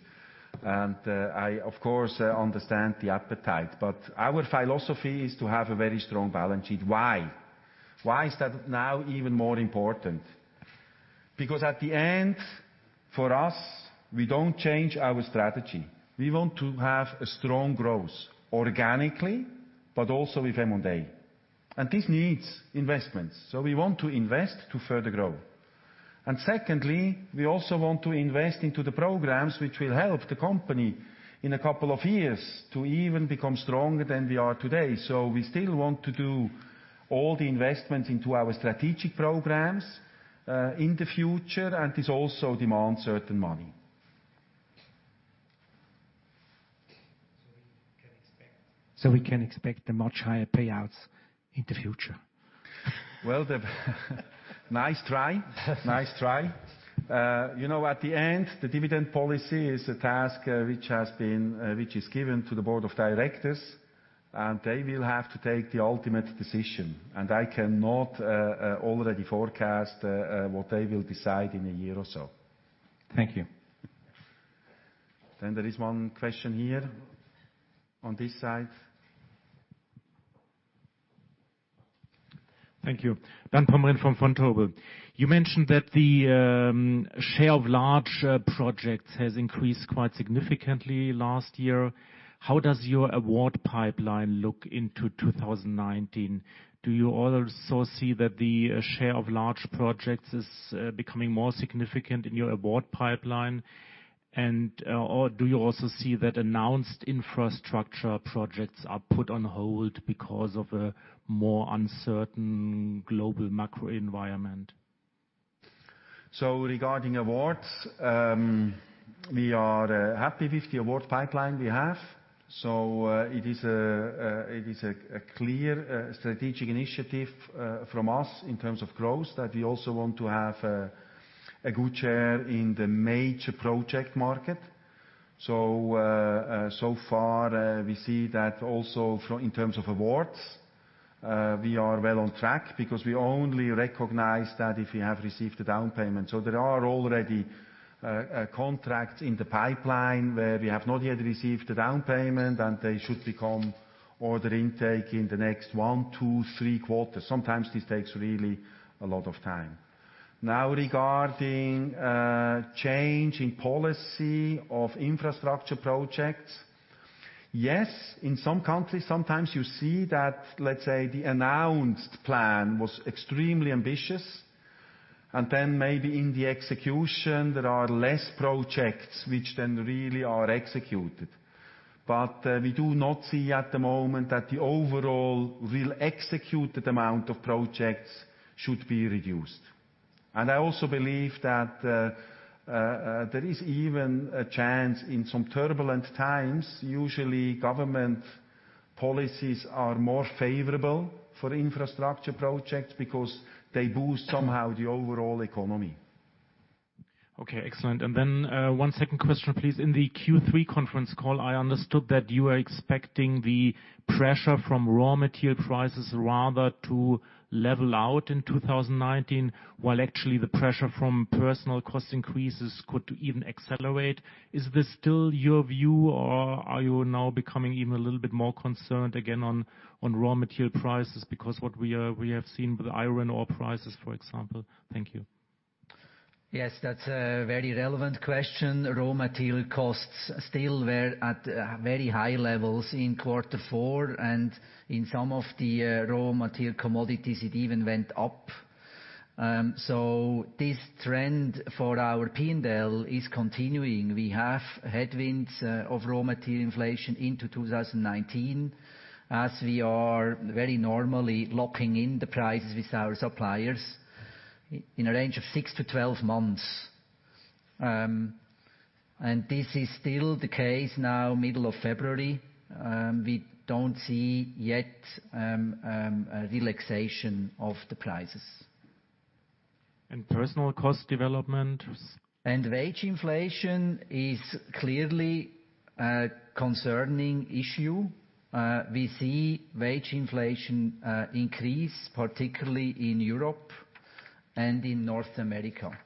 A: I, of course, understand the appetite, but our philosophy is to have a very strong balance sheet. Why? Why is that now even more important? Because at the end, for us, we don't change our strategy. We want to have a strong growth organically, but also with M&A. This needs investments. We want to invest to further grow. Secondly, we also want to invest into the programs which will help the company in a couple of years to even become stronger than we are today. We still want to do all the investments into our strategic programs, in the future, and this also demands certain money.
D: We can expect the much higher payouts in the future?
A: Well, nice try. You know, at the end, the dividend policy is a task which is given to the board of directors, and they will have to take the ultimate decision, and I cannot already forecast what they will decide in a year or so.
D: Thank you.
A: There is one question here on this side.
E: Thank you. Bernd Pomrehn from Vontobel. You mentioned that the share of large projects has increased quite significantly last year. How does your award pipeline look into 2019? Do you also see that the share of large projects is becoming more significant in your award pipeline? Do you also see that announced infrastructure projects are put on hold because of a more uncertain global macro environment?
A: Regarding awards, we are happy with the award pipeline we have. It is a clear strategic initiative from us in terms of growth, that we also want to have a good share in the major project market. We see that also in terms of awards, we are well on track because we only recognize that if we have received a down payment. There are already contracts in the pipeline where we have not yet received a down payment, and they should become order intake in the next one, two, three quarters. Sometimes this takes really a lot of time. Regarding change in policy of infrastructure projects. Yes, in some countries, sometimes you see that, let's say, the announced plan was extremely ambitious, and then maybe in the execution there are less projects, which then really are executed. We do not see at the moment that the overall real executed amount of projects should be reduced. I also believe that there is even a chance in some turbulent times. Usually, government policies are more favorable for infrastructure projects because they boost somehow the overall economy.
E: Excellent. One second question, please. In the Q3 conference call, I understood that you were expecting the pressure from raw material prices rather to level out in 2019, while actually the pressure from personal cost increases could even accelerate. Is this still your view, or are you now becoming even a little bit more concerned again on raw material prices? Because what we have seen with the iron ore prices, for example. Thank you.
B: That's a very relevant question. Raw material costs still were at very high levels in quarter four, and in some of the raw material commodities, it even went up. This trend for our P&L is continuing. We have headwinds of raw material inflation into 2019, as we are very normally locking in the prices with our suppliers in a range of 6-12 months. This is still the case now, middle of February. We don't see yet a relaxation of the prices.
E: personal cost development?
B: Wage inflation is clearly a concerning issue. We see wage inflation increase, particularly in Europe and in North America.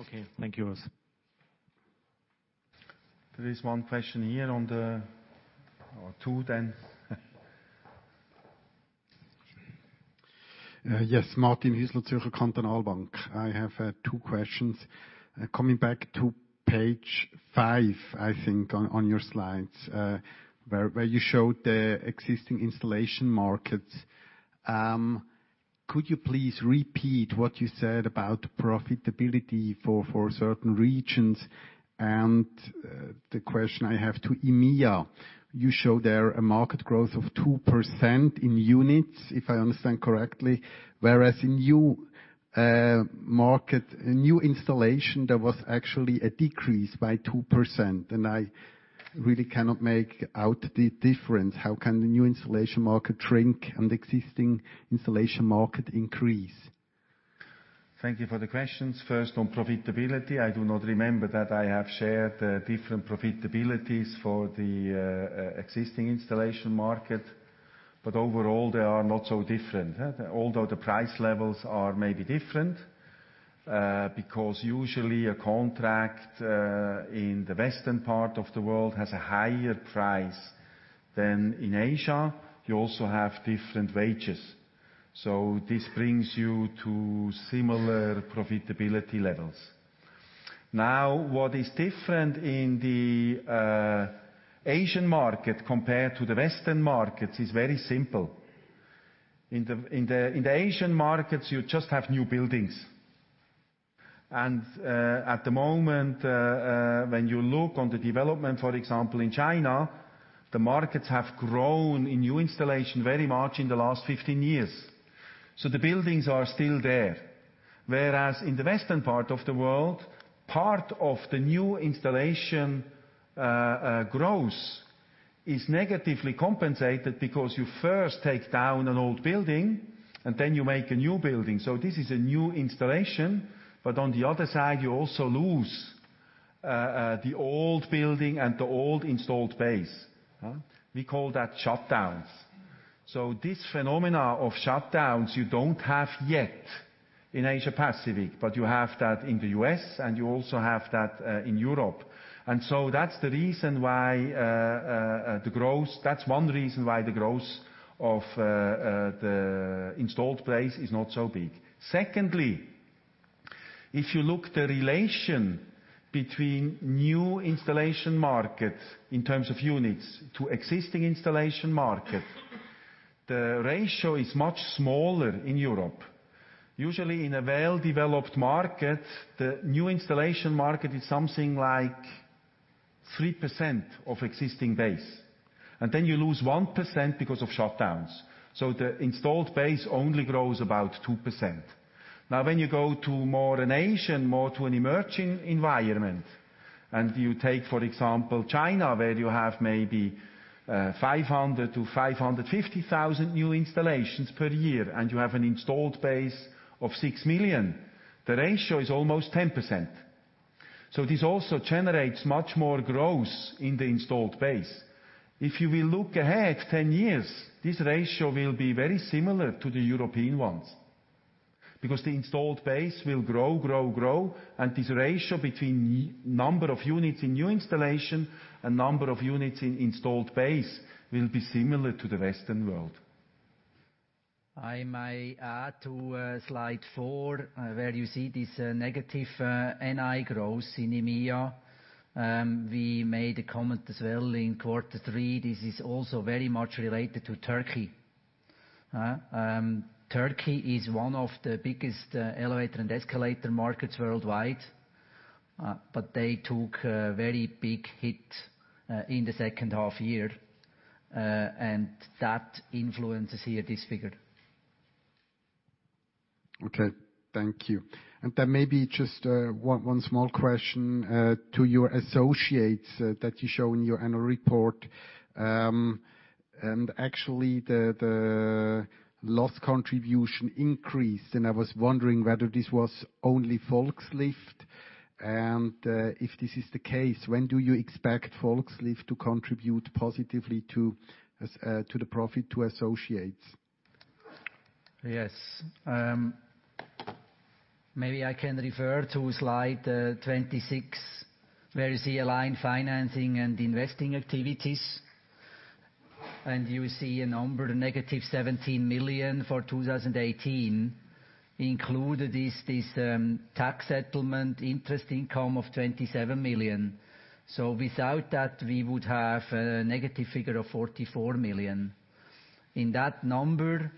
E: Okay. Thank you, Urs.
A: There is one question here on the, or two then.
F: Yes. Martin Hüsler, Zürcher Kantonalbank. I have two questions. Coming back to page 5, I think, on your slides, where you showed the existing installation markets. Could you please repeat what you said about profitability for certain regions? The question I have to EMEA, you show there a market growth of 2% in units, if I understand correctly, whereas in new installation, there was actually a decrease by 2% and I really cannot make out the difference. How can the new installation market shrink and existing installation market increase?
A: Thank you for the questions. First on profitability, I do not remember that I have shared different profitabilities for the existing installation market, but overall they are not so different. Although the price levels are maybe different. Because usually a contract in the Western part of the world has a higher price than in Asia. You also have different wages. This brings you to similar profitability levels. What is different in the Asian market compared to the Western markets is very simple. In the Asian markets, you just have new buildings. At the moment, when you look on the development, for example, in China, the markets have grown in new installation very much in the last 15 years. The buildings are still there. Whereas in the Western part of the world, part of the new installation growth is negatively compensated because you first take down an old building, then you make a new building. This is a new installation. On the other side, you also lose the old building and the old installed base. We call that shutdowns. This phenomena of shutdowns you don't have yet in Asia Pacific, but you have that in the U.S. and you also have that in Europe. That's one reason why the growth of the installed base is not so big. Secondly, if you look the relation between new installation market in terms of units to existing installation market, the ratio is much smaller in Europe. Usually in a well-developed market, the new installation market is something like 3% of existing base, then you lose 1% because of shutdowns. The installed base only grows about 2%. When you go to more an Asian, more to an emerging environment, and you take, for example, China, where you have maybe 500,000-550,000 new installations per year, and you have an installed base of 6 million, the ratio is almost 10%. This also generates much more growth in the installed base. If you will look ahead 10 years, this ratio will be very similar to the European ones because the installed base will grow. This ratio between number of units in new installation and number of units in installed base will be similar to the Western world.
B: I may add to slide 4, where you see this negative NI growth in EMEA. We made a comment as well in quarter three, this is also very much related to Turkey. Turkey is one of the biggest elevator and escalator markets worldwide. They took a very big hit in the second half year. That influences here this figure.
F: Okay, thank you. Then maybe just one small question to your associates that you show in your annual report. Actually, the loss contribution increased, and I was wondering whether this was only Volkslift and if this is the case, when do you expect Volkslift to contribute positively to the profit to associates?
B: Yes. Maybe I can refer to slide 26, where you see aligned financing and investing activities, and you see a number, negative 17 million for 2018. Included is this tax settlement interest income of 27 million. Without that, we would have a negative figure of 44 million. In that number,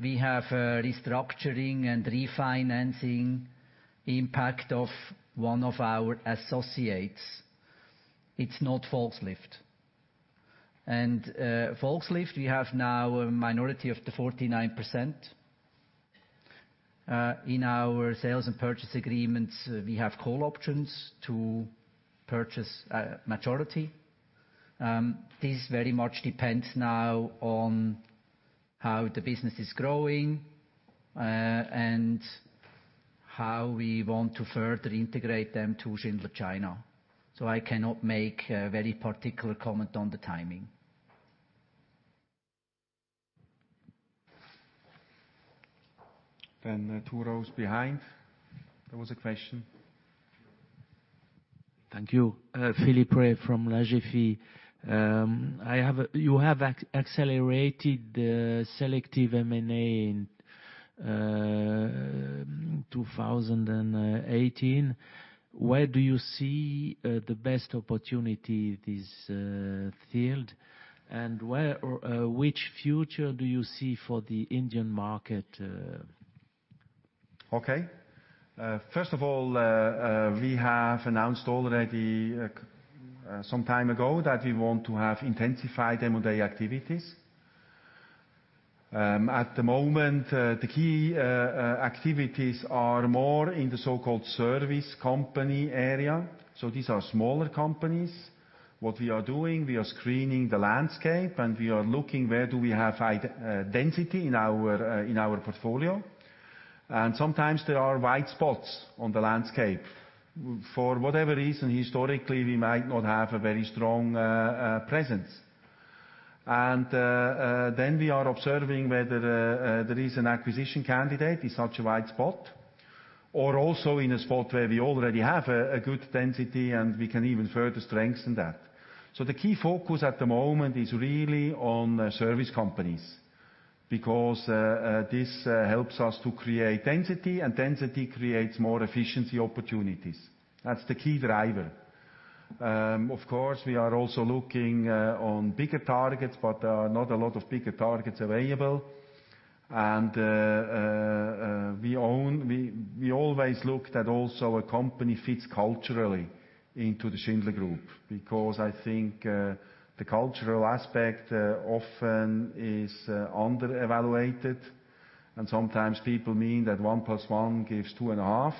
B: we have a restructuring and refinancing impact of one of our associates. It's not Volkslift. Volkslift, we have now a minority of the 49%. In our sales and purchase agreements, we have call options to purchase a majority. This very much depends now on how the business is growing, and how we want to further integrate them to Schindler China. I cannot make a very particular comment on the timing.
A: Two rows behind, there was a question.
G: Thank you. Philip Rey from La Tribune. You have accelerated the selective M&A in 2018. Where do you see the best opportunity this field, which future do you see for the Indian market?
A: Okay. First of all, we have announced already some time ago that we want to have intensified M&A activities. At the moment, the key activities are more in the so-called service company area. These are smaller companies. What we are doing, we are screening the landscape, and we are looking where do we have high density in our portfolio. Sometimes there are wide spots on the landscape. For whatever reason, historically, we might not have a very strong presence and then we are observing whether there is an acquisition candidate in such a wide spot, or also in a spot where we already have a good density and we can even further strengthen that. The key focus at the moment is really on service companies, because this helps us to create density, and density creates more efficiency opportunities. That's the key driver. Of course, we are also looking on bigger targets, but there are not a lot of bigger targets available. We always look that also a company fits culturally into the Schindler Group. I think the cultural aspect often is under-evaluated, and sometimes people mean that one plus one gives 2.5,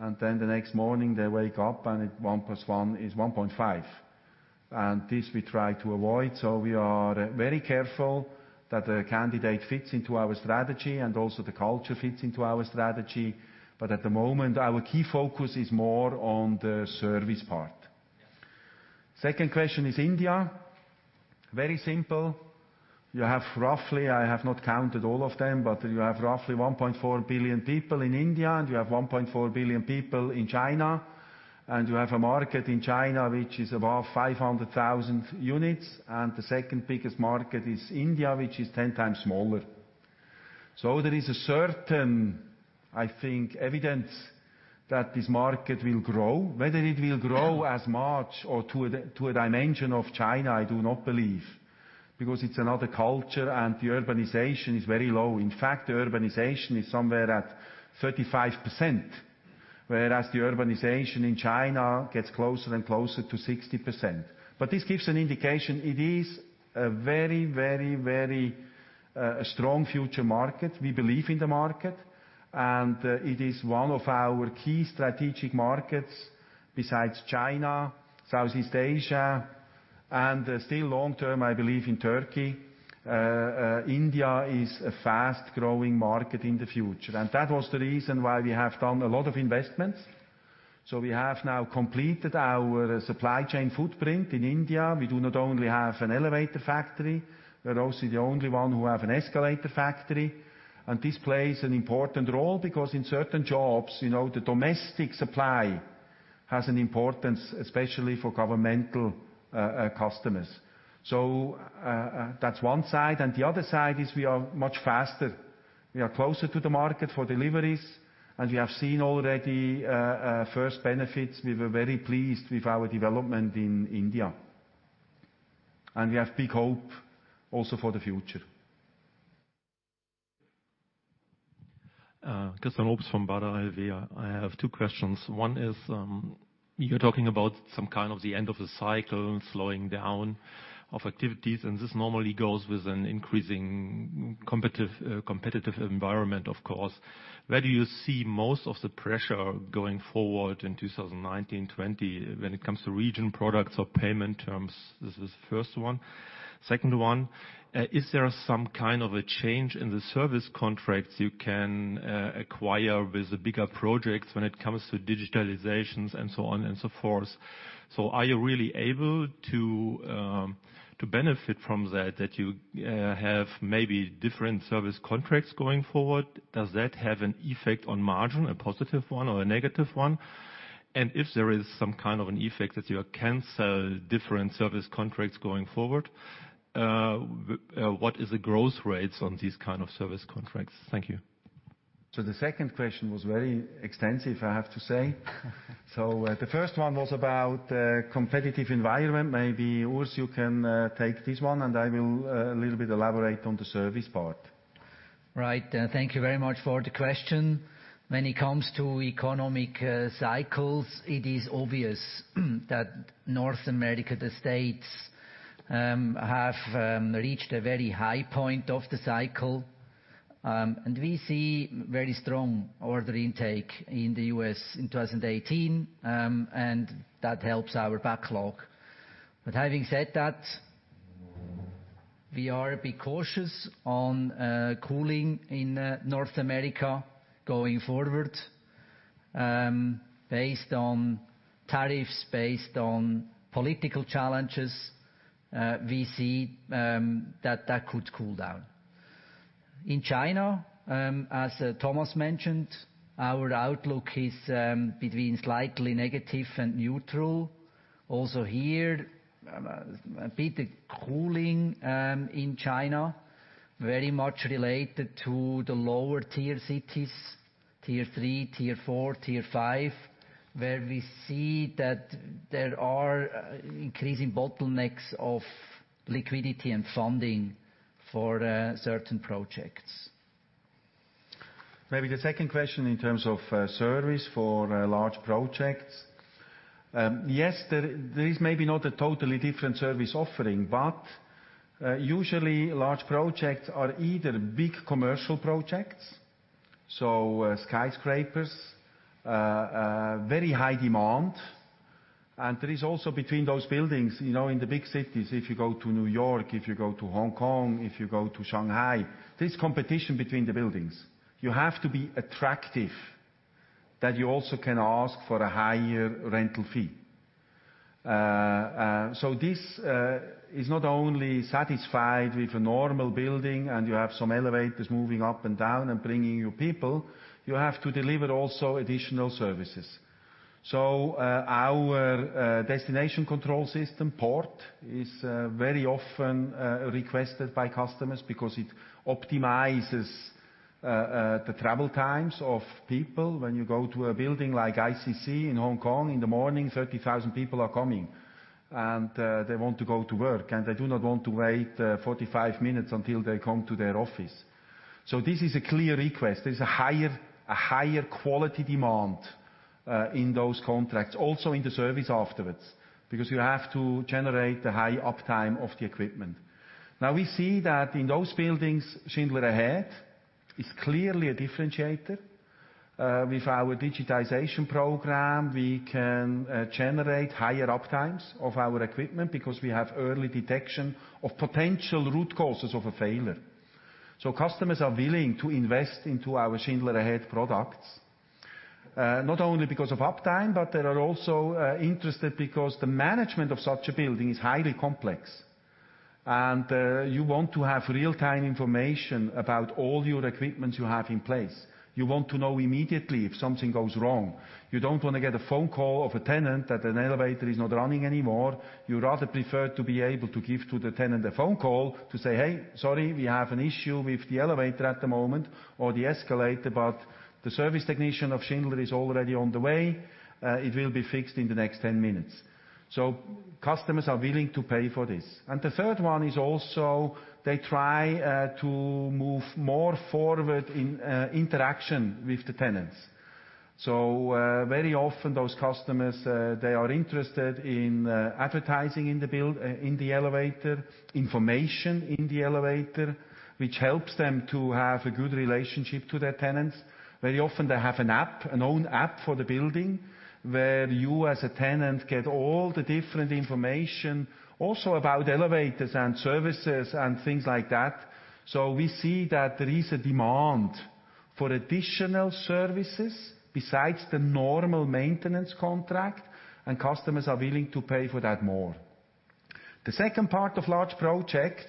A: and then the next morning they wake up and one plus one is 1.5. This we try to avoid. We are very careful that the candidate fits into our strategy and also the culture fits into our strategy. At the moment, our key focus is more on the service part. Second question is India. Very simple. You have roughly, I have not counted all of them, but you have roughly 1.4 billion people in India, and you have 1.4 billion people in China. You have a market in China which is above 500,000 units, and the second biggest market is India, which is 10 times smaller. There is a certain, I think, evidence that this market will grow. Whether it will grow as much or to a dimension of China, I do not believe, because it's another culture and the urbanization is very low. In fact, the urbanization is somewhere at 35%, whereas the urbanization in China gets closer and closer to 60%. This gives an indication. It is a very strong future market. We believe in the market, and it is one of our key strategic markets besides China, Southeast Asia, and still long-term, I believe in Turkey. India is a fast-growing market in the future, and that was the reason why we have done a lot of investments. We have now completed our supply chain footprint in India. We do not only have an elevator factory, we are also the only one who have an escalator factory. This plays an important role because in certain jobs, the domestic supply has an importance, especially for governmental customers. That's one side. The other side is we are much faster. We are closer to the market for deliveries, and we have seen already first benefits. We were very pleased with our development in India. We have big hope also for the future.
H: Christian Obst from Baader Bank. I have two questions. One is, you are talking about some kind of the end of the cycle and slowing down of activities. This normally goes with an increasing competitive environment, of course. Where do you see most of the pressure going forward in 2019-2020 when it comes to region products or payment terms? This is the first one. Second one, is there some kind of a change in the service contracts you can acquire with the bigger projects when it comes to digitalizations and so on and so forth? Are you really able to benefit from that you have maybe different service contracts going forward? Does that have an effect on margin, a positive one or a negative one? If there is some kind of an effect that you can sell different service contracts going forward, what is the growth rates on these kind of service contracts? Thank you.
A: The second question was very extensive, I have to say. The first one was about competitive environment. Maybe, Urs, you can take this one and I will a little bit elaborate on the service part.
B: Right. Thank you very much for the question. When it comes to economic cycles, it is obvious that North America, the U.S., have reached a very high point of the cycle. We see very strong order intake in the U.S. in 2018, and that helps our backlog. Having said that, we are a bit cautious on cooling in North America going forward based on tariffs, based on political challenges. We see that that could cool down. In China, as Thomas mentioned, our outlook is between slightly negative and neutral. Also here, a bit of cooling in China, very much related to the lower tier cities, tier 3, tier 4, tier 5, where we see that there are increasing bottlenecks of liquidity and funding for certain projects.
A: Maybe the second question in terms of service for large projects. Yes, there is maybe not a totally different service offering, but usually large projects are either big commercial projects, so skyscrapers, very high demand. There is also between those buildings, in the big cities, if you go to New York, if you go to Hong Kong, if you go to Shanghai, there is competition between the buildings. You have to be attractive that you also can ask for a higher rental fee. This is not only satisfied with a normal building, and you have some elevators moving up and down and bringing you people, you have to deliver also additional services. Our destination control system, PORT, is very often requested by customers because it optimizes the travel times of people. When you go to a building like ICC in Hong Kong, in the morning, 30,000 people are coming, and they want to go to work, and they do not want to wait 45 minutes until they come to their office. This is a clear request. There is a higher quality demand in those contracts, also in the service afterwards, because you have to generate the high uptime of the equipment. Now we see that in those buildings, Schindler Ahead is clearly a differentiator. With our digitization program, we can generate higher uptimes of our equipment because we have early detection of potential root causes of a failure. Customers are willing to invest into our Schindler Ahead products, not only because of uptime, but they are also interested because the management of such a building is highly complex. You want to have real-time information about all your equipment you have in place. You want to know immediately if something goes wrong. You don't want to get a phone call of a tenant that an elevator is not running anymore. You rather prefer to be able to give to the tenant a phone call to say, "Hey, sorry, we have an issue with the elevator at the moment, or the escalator, but the service technician of Schindler is already on the way." It will be fixed in the next 10 minutes. Customers are willing to pay for this. The third one is also they try to move more forward in interaction with the tenants. Very often those customers, they are interested in advertising in the elevator, information in the elevator, which helps them to have a good relationship to their tenants. Very often, they have an own app for the building, where you as a tenant get all the different information also about elevators and services and things like that. We see that there is a demand for additional services besides the normal maintenance contract, and customers are willing to pay for that more. The second part of large projects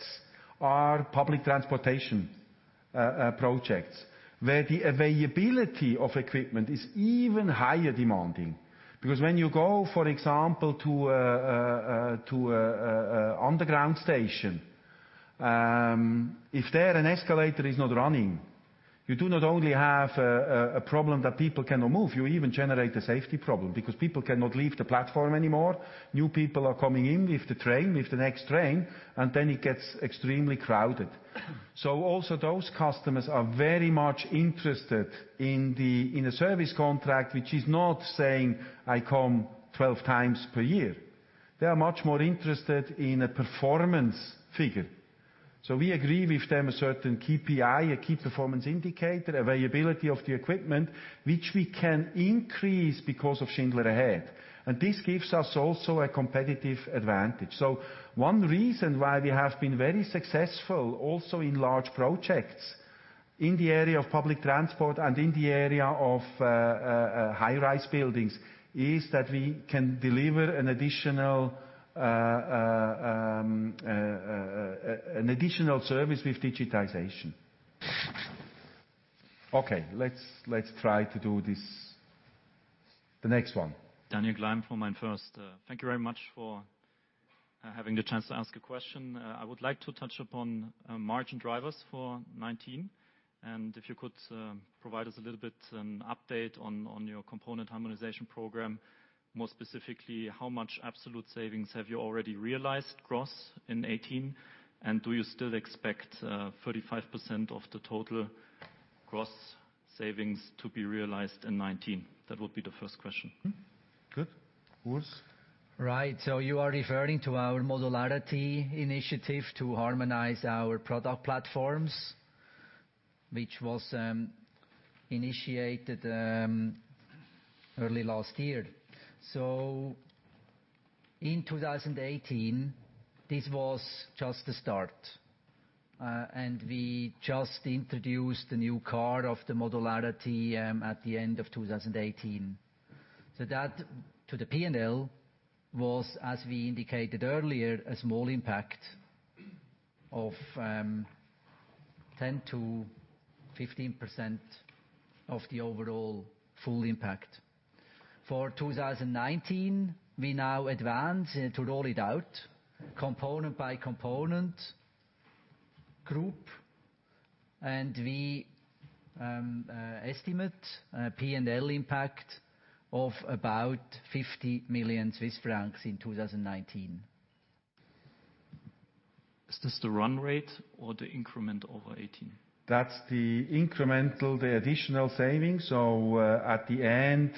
A: are public transportation projects, where the availability of equipment is even higher demanding. Because when you go, for example, to a underground station, if there an escalator is not running, you do not only have a problem that people cannot move, you even generate a safety problem because people cannot leave the platform anymore. New people are coming in with the next train, it gets extremely crowded. Also those customers are very much interested in a service contract, which is not saying, "I come 12 times per year." They are much more interested in a performance figure. We agree with them a certain KPI, a key performance indicator, availability of the equipment, which we can increase because of Schindler Ahead. This gives us also a competitive advantage. One reason why we have been very successful also in large projects in the area of public transport and in the area of high-rise buildings is that we can deliver an additional service with digitization. Okay, let's try to do this. The next one.
I: Daniel Gleim from MainFirst. Thank you very much for having the chance to ask a question. I would like to touch upon margin drivers for 2019, and if you could provide us a little bit an update on your component harmonization program. More specifically, how much absolute savings have you already realized gross in 2018, and do you still expect 35% of the total gross savings to be realized in 2019? That would be the first question.
A: Good. Urs?
B: You are referring to our modularity initiative to harmonize our product platforms, which was initiated early last year. In 2018, this was just the start. We just introduced the new car of the modularity at the end of 2018. That to the P&L was, as we indicated earlier, a small impact of 10%-15% of the overall full impact. For 2019, we now advance to roll it out component by component group, and we estimate a P&L impact of about 50 million Swiss francs in 2019.
I: Is this the run rate or the increment over 2018?
A: That's the incremental, the additional savings. At the end,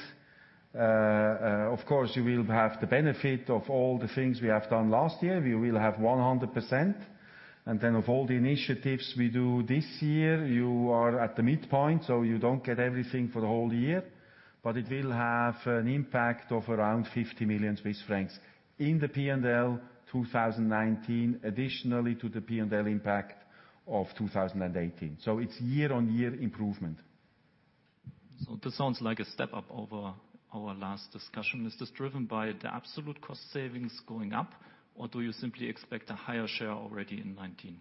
A: of course, you will have the benefit of all the things we have done last year. We will have 100%, of all the initiatives we do this year, you are at the midpoint, you don't get everything for the whole year, but it will have an impact of around 50 million Swiss francs in the P&L 2019, additionally to the P&L impact of 2018. It's year-on-year improvement.
I: This sounds like a step up over our last discussion. Is this driven by the absolute cost savings going up, or do you simply expect a higher share already in 2019?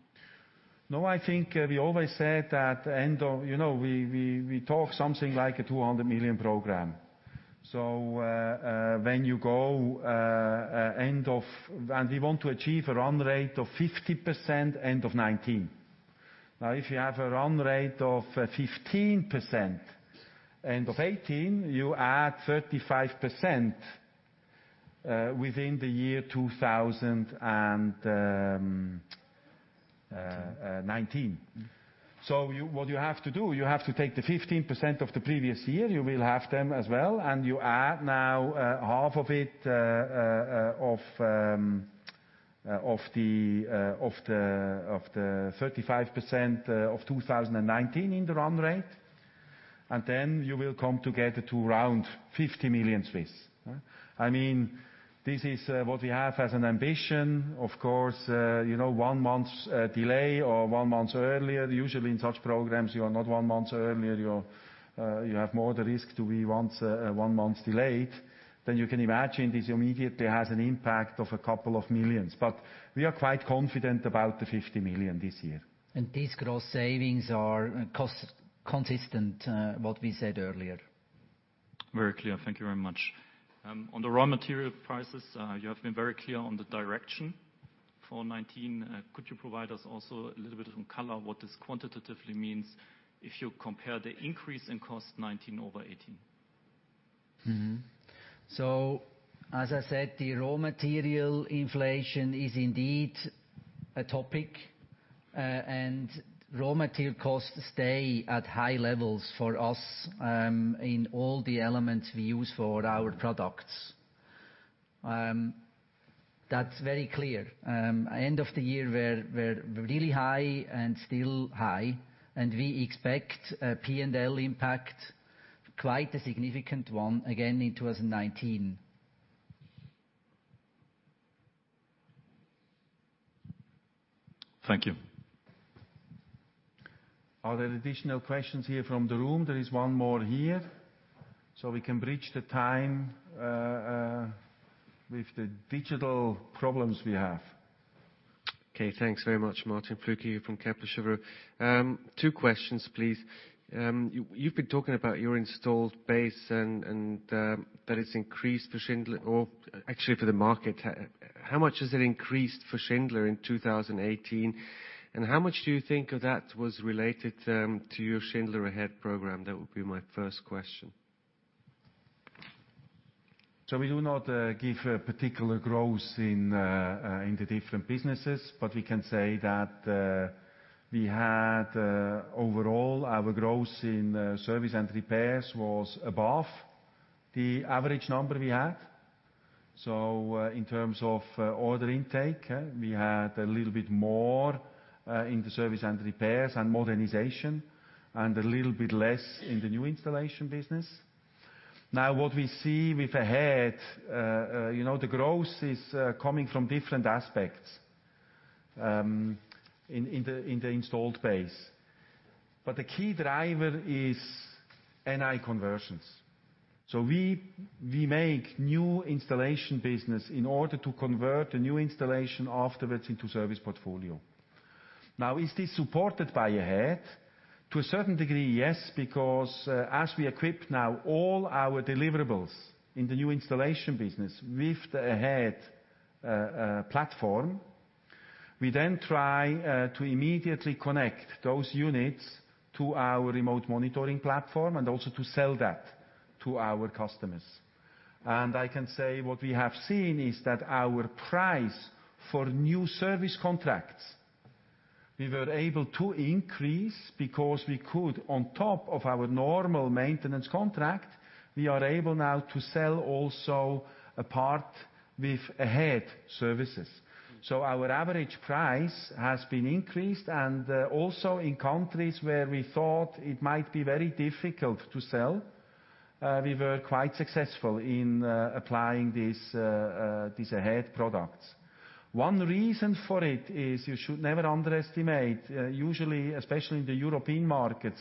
A: I think we always said that we talk something like a 200 million program. When you go end of, we want to achieve a run rate of 50% end of 2019. If you have a run rate of 15% end of 2018, you add 35% within the year 2019. What you have to do, you have to take the 15% of the previous year, you will have them as well, and you add now half of it of the 35% of 2019 in the run rate. Then you will come together to around 50 million. This is what we have as an ambition. Of course, one month delay or one month earlier, usually in such programs, you are not one month earlier. You have more the risk to be one month delayed. You can imagine this immediately has an impact of a couple of millions. We are quite confident about the 50 million this year.
B: These gross savings are cost consistent, what we said earlier.
I: Very clear. Thank you very much. On the raw material prices, you have been very clear on the direction for 2019. Could you provide us also a little bit of color what this quantitatively means if you compare the increase in cost 2019 over 2018?
B: As I said, the raw material inflation is indeed a topic. Raw material costs stay at high levels for us in all the elements we use for our products. That's very clear. End of the year, were really high and still high, and we expect a P&L impact, quite a significant one, again in 2019.
I: Thank you.
A: Are there additional questions here from the room? There is one more here, we can bridge the time with the digital problems we have.
C: Thanks very much. Martin Flückiger from Kepler Cheuvreux. Two questions, please. You've been talking about your installed base and that it's increased for Schindler or actually for the market. How much has it increased for Schindler in 2018, and how much do you think of that was related to your Schindler Ahead program? That would be my first question.
A: We do not give a particular growth in the different businesses, we can say that we had overall, our growth in service and repairs was above the average number we had. In terms of order intake, we had a little bit more in the service and repairs and modernization, and a little bit less in the new installation business. What we see with Ahead, the growth is coming from different aspects in the installed base. The key driver is NI conversions. We make new installation business in order to convert the new installation afterwards into service portfolio. Is this supported by Ahead? To a certain degree, yes, as we equip now all our deliverables in the new installation business with the Ahead platform, we try to immediately connect those units to our remote monitoring platform and also to sell that to our customers. I can say what we have seen is that our price for new service contracts, we were able to increase because we could, on top of our normal maintenance contract, we are able now to sell also a part with Ahead services. Our average price has been increased, and also in countries where we thought it might be very difficult to sell, we were quite successful in applying these Ahead products. One reason for it is you should never underestimate, usually, especially in the European markets,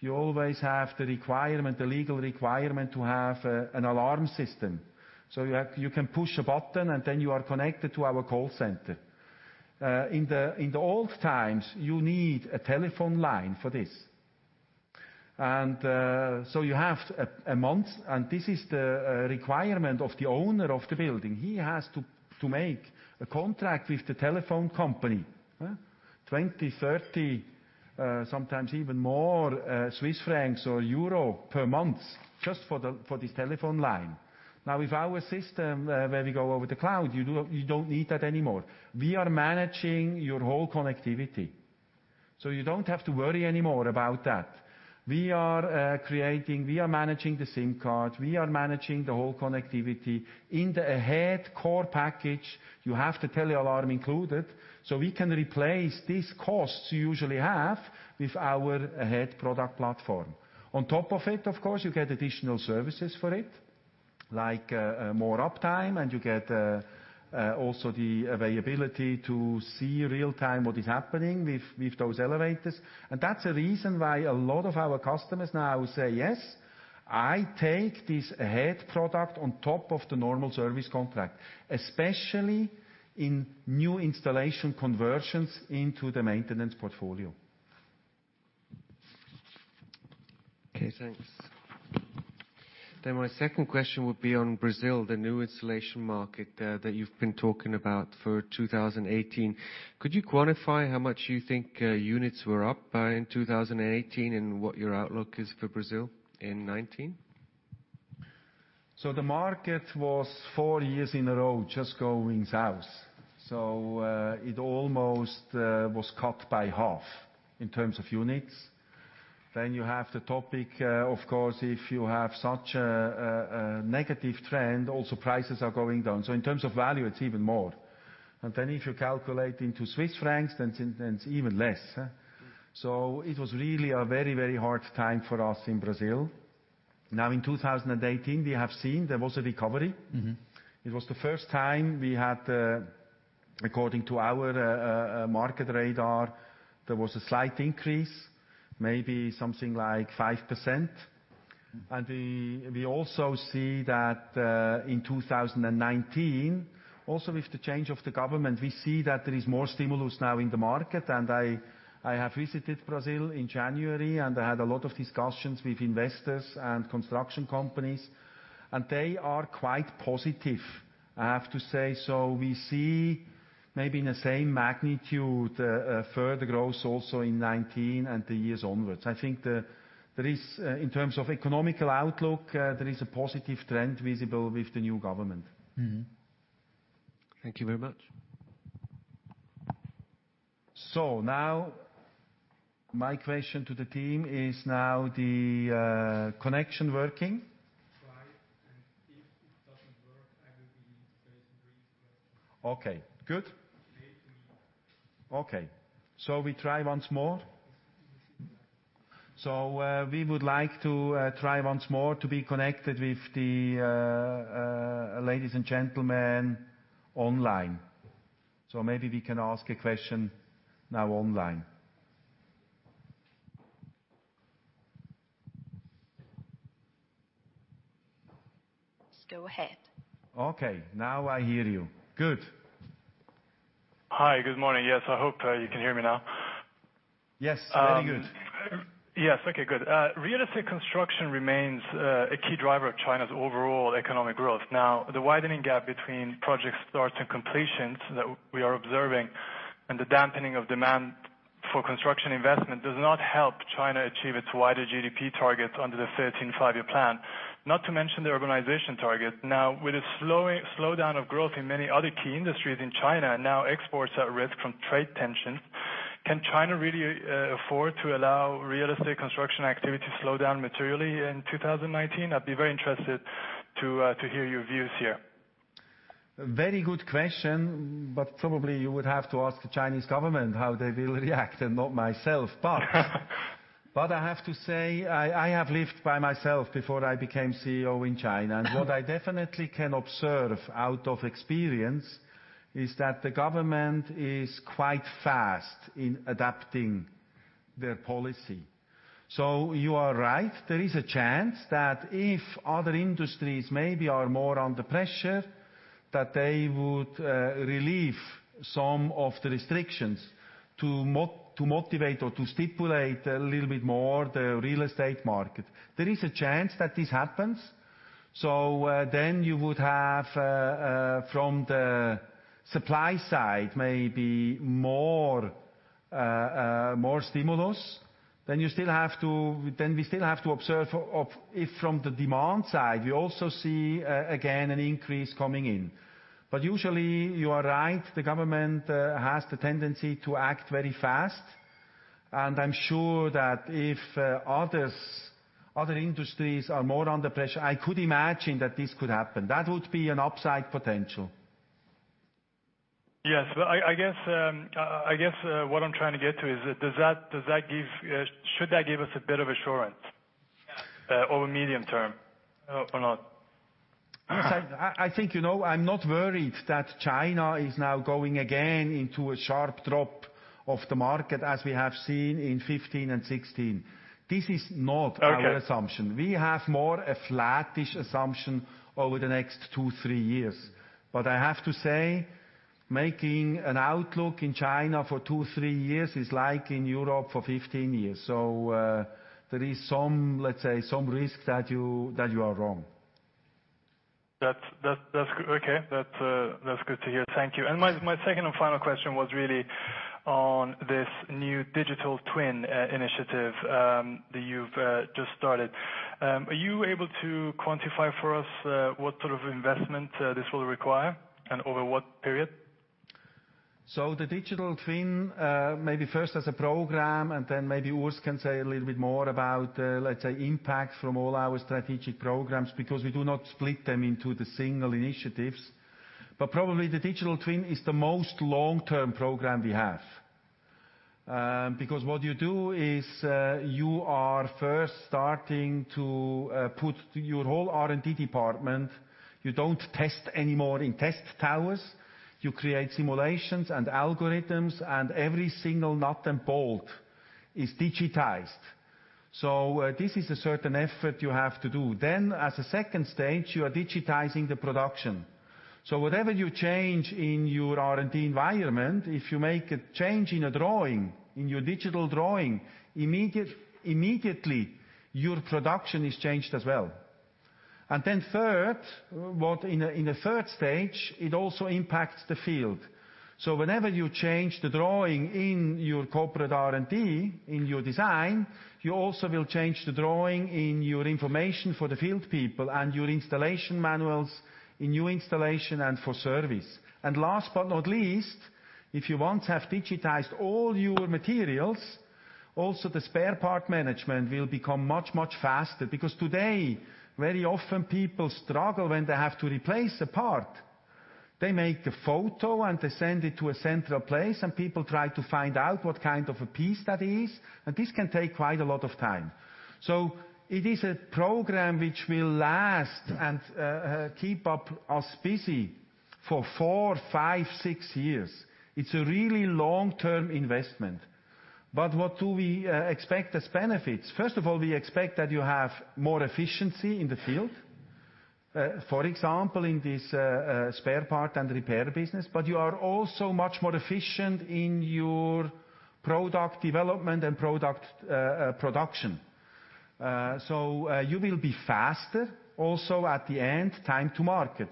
A: you always have the requirement, the legal requirement to have an alarm system. You can push a button, you are connected to our call center. In the old times, you need a telephone line for this. You have a month, and this is the requirement of the owner of the building. He has to make a contract with the telephone company, 20, 30, sometimes even more CHF or EUR per month just for this telephone line. With our system, where we go over the cloud, you don't need that anymore. We are managing your whole connectivity. You don't have to worry anymore about that. We are creating, we are managing the SIM card, we are managing the whole connectivity. In the Ahead Core package, you have the telealarm included, we can replace these costs you usually have with our Ahead product platform. On top of it, of course, you get additional services for it, like more uptime, you get also the availability to see real-time what is happening with those elevators. That's the reason why a lot of our customers now say, "Yes, I take this Ahead product on top of the normal service contract," especially in new installation conversions into the maintenance portfolio.
C: Okay, thanks. My second question would be on Brazil, the new installation market that you've been talking about for 2018. Could you quantify how much you think units were up by in 2018, and what your outlook is for Brazil in 2019?
A: The market was four years in a row just going south. It almost was cut by half in terms of units. You have the topic, of course, if you have such a negative trend, prices are going down. In terms of value, it's even more. If you calculate into Swiss francs, it's even less. It was really a very hard time for us in Brazil. In 2018, we have seen there was a recovery. It was the first time we had, according to our market radar, there was a slight increase, maybe something like 5%. We also see that in 2019, also with the change of the government, we see that there is more stimulus now in the market. I have visited Brazil in January, I had a lot of discussions with investors and construction companies, they are quite positive, I have to say. We see maybe in the same magnitude, a further growth also in 2019 and the years onwards. I think there is, in terms of economical outlook, there is a positive trend visible with the new government.
C: Thank you very much.
A: Now my question to the team is now the connection working? Try, and if it doesn't work, I will be raising brief questions. Okay, good. Maybe. Okay. We try once more? We would like to try once more to be connected with the ladies and gentlemen online. Maybe we can ask a question now online.
J: Go ahead.
A: Okay, now I hear you. Good.
K: Hi, good morning. Yes, I hope you can hear me now.
A: Yes, very good.
K: Yes. Okay, good. Real estate construction remains a key driver of China's overall economic growth. The widening gap between project starts and completions that we are observing and the dampening of demand for construction investment does not help China achieve its wider GDP target under the 13th Five-Year Plan, not to mention the urbanization target. With a slowdown of growth in many other key industries in China, exports are at risk from trade tension. Can China really afford to allow real estate construction activity to slow down materially in 2019? I'd be very interested to hear your views here.
A: Very good question, probably you would have to ask the Chinese government how they will react and not myself. I have to say, I have lived by myself before I became CEO in China. What I definitely can observe out of experience is that the government is quite fast in adapting their policy. You are right, there is a chance that if other industries maybe are more under pressure, that they would relieve some of the restrictions to motivate or to stipulate a little bit more the real estate market. There is a chance that this happens. You would have, from the supply side, maybe more stimulus. We still have to observe if from the demand side, we also see again an increase coming in. Usually, you are right, the government has the tendency to act very fast. I'm sure that if other industries are more under pressure, I could imagine that this could happen. That would be an upside potential.
K: I guess what I'm trying to get to is, should that give us a bit of assurance over medium term or not?
A: I think, I'm not worried that China is now going again into a sharp drop of the market as we have seen in 2015 and 2016. This is not our assumption.
K: Okay.
A: We have more a flattish assumption over the next two, three years. I have to say, making an outlook in China for two, three years is like in Europe for 15 years. There is, let's say, some risk that you are wrong.
K: That's good to hear. Thank you. My second and final question was really on this new digital twin initiative that you've just started. Are you able to quantify for us what sort of investment this will require and over what period?
A: The digital twin, maybe first as a program, and then maybe Urs can say a little bit more about, let's say, impact from all our strategic programs, because we do not split them into the single initiatives. Probably the digital twin is the most long-term program we have. Because what you do is, you are first starting to put your whole R&D department, you don't test anymore in test towers. You create simulations and algorithms, and every single nut and bolt is digitized. This is a certain effort you have to do. As a stage 2, you are digitizing the production. Whatever you change in your R&D environment, if you make a change in a drawing, in your digital drawing, immediately, your production is changed as well. In the stage 3, it also impacts the field. Whenever you change the drawing in your corporate R&D, in your design, you also will change the drawing in your information for the field people and your installation manuals in new installation and for service. Last but not least, if you once have digitized all your materials, also the spare part management will become much, much faster. Because today, very often people struggle when they have to replace a part. They make a photo and they send it to a central place and people try to find out what kind of a piece that is, and this can take quite a lot of time. It is a program which will last and keep us busy for four, five, six years. It's a really long-term investment. What do we expect as benefits? First of all, we expect that you have more efficiency in the field. For example, in this spare part and repair business, you are also much more efficient in your product development and product production. You will be faster also at the end, time to market,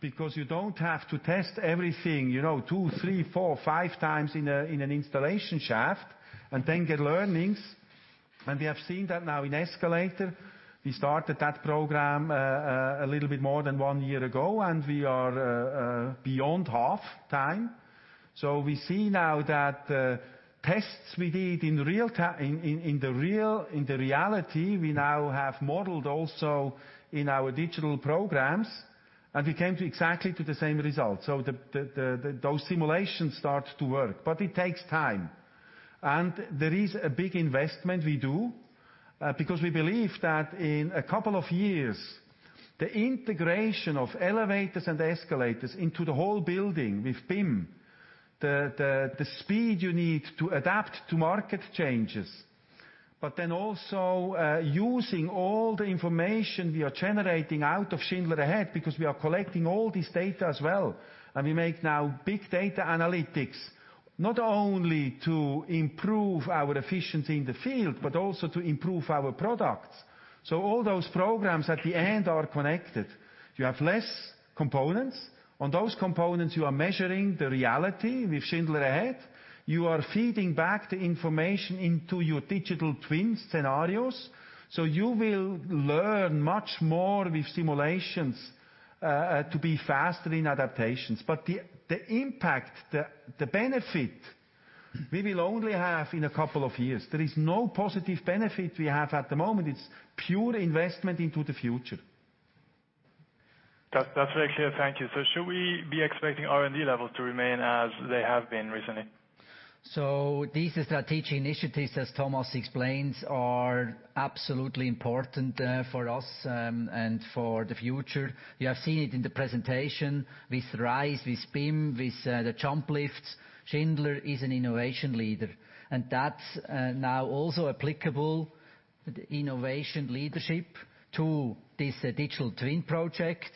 A: because you don't have to test everything two, three, four, five times in an installation shaft and then get learnings. We have seen that now in escalator. We started that program a little bit more than one year ago, and we are beyond half time. We see now that tests we did in the reality, we now have modeled also in our digital programs, and we came to exactly to the same result. Those simulations start to work, it takes time. There is a big investment we do, because we believe that in a couple of years, the integration of elevators and escalators into the whole building with BIM, the speed you need to adapt to market changes, also using all the information we are generating out of Schindler Ahead because we are collecting all this data as well and we make now big data analytics, not only to improve our efficiency in the field, to improve our products. All those programs at the end are connected. You have less components. On those components, you are measuring the reality with Schindler Ahead. You are feeding back the information into your digital twin scenarios, you will learn much more with simulations to be faster in adaptations. The impact, the benefit we will only have in a couple of years. There is no positive benefit we have at the moment. It's pure investment into the future.
K: That's very clear. Thank you. Should we be expecting R&D levels to remain as they have been recently?
B: These strategic initiatives, as Thomas explains, are absolutely important for us and for the future. You have seen it in the presentation with RISE, with BIM, with the jump lifts. Schindler is an innovation leader. That's now also applicable, innovation leadership to this digital twin project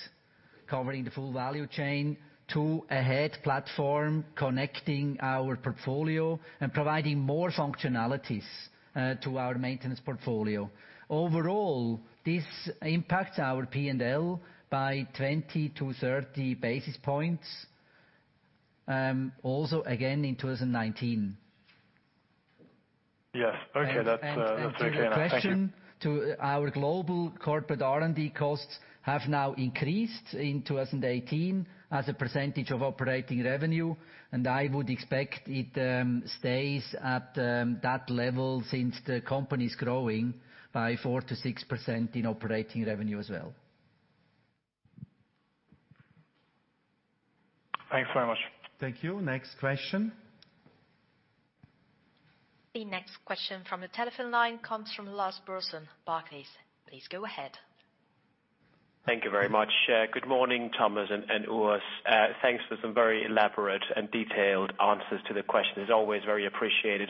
B: covering the full value chain to Ahead platform, connecting our portfolio and providing more functionalities to our maintenance portfolio. Overall, this impacts our P&L by 20-30 basis points, also again in 2019.
K: Yes, okay. That's very clear. Thank you.
B: To the question, to our global corporate R&D costs have now increased in 2018 as a percentage of operating revenue, and I would expect it stays at that level since the company's growing by 4%-6% in operating revenue as well.
K: Thanks very much.
A: Thank you. Next question.
J: The next question from the telephone line comes from Lars Brorson, Barclays. Please go ahead.
L: Thank you very much. Good morning, Thomas and Urs. Thanks for some very elaborate and detailed answers to the questions. Always very appreciated.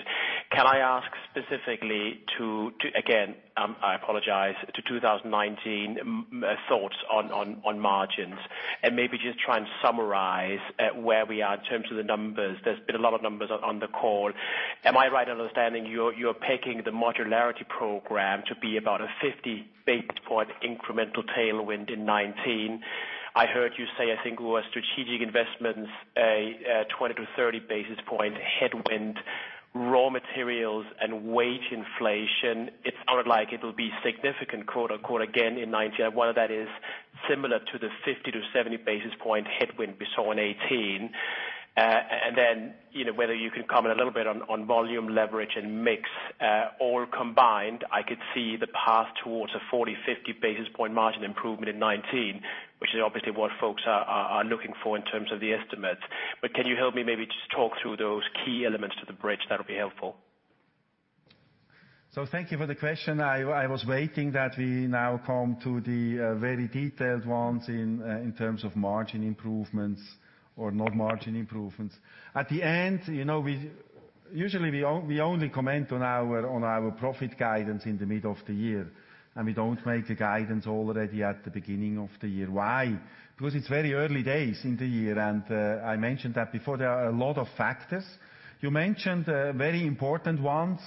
L: Can I ask specifically to, again, I apologize, to 2019 thoughts on margins? Maybe just try and summarize where we are in terms of the numbers. There has been a lot of numbers on the call. Am I right understanding you are pegging the modularity program to be about a 50 basis point incremental tailwind in 2019? I heard you say, I think it was strategic investments, a 20-30 basis point headwind, raw materials and wage inflation. It sounded like it will be significant, quote unquote, again in 2019. I wonder if that is similar to the 50-70 basis point headwind we saw in 2018. Then, whether you can comment a little bit on volume leverage and mix. All combined, I could see the path towards a 40-50 basis point margin improvement in 2019, which is obviously what folks are looking for in terms of the estimates. Can you help me maybe just talk through those key elements to the bridge? That will be helpful.
A: Thank you for the question. I was waiting that we now come to the very detailed ones in terms of margin improvements or not margin improvements. At the end, usually we only comment on our profit guidance in the mid of the year, and we do not make a guidance already at the beginning of the year. Why? Because it is very early days in the year, and, I mentioned that before, there are a lot of factors. You mentioned very important ones.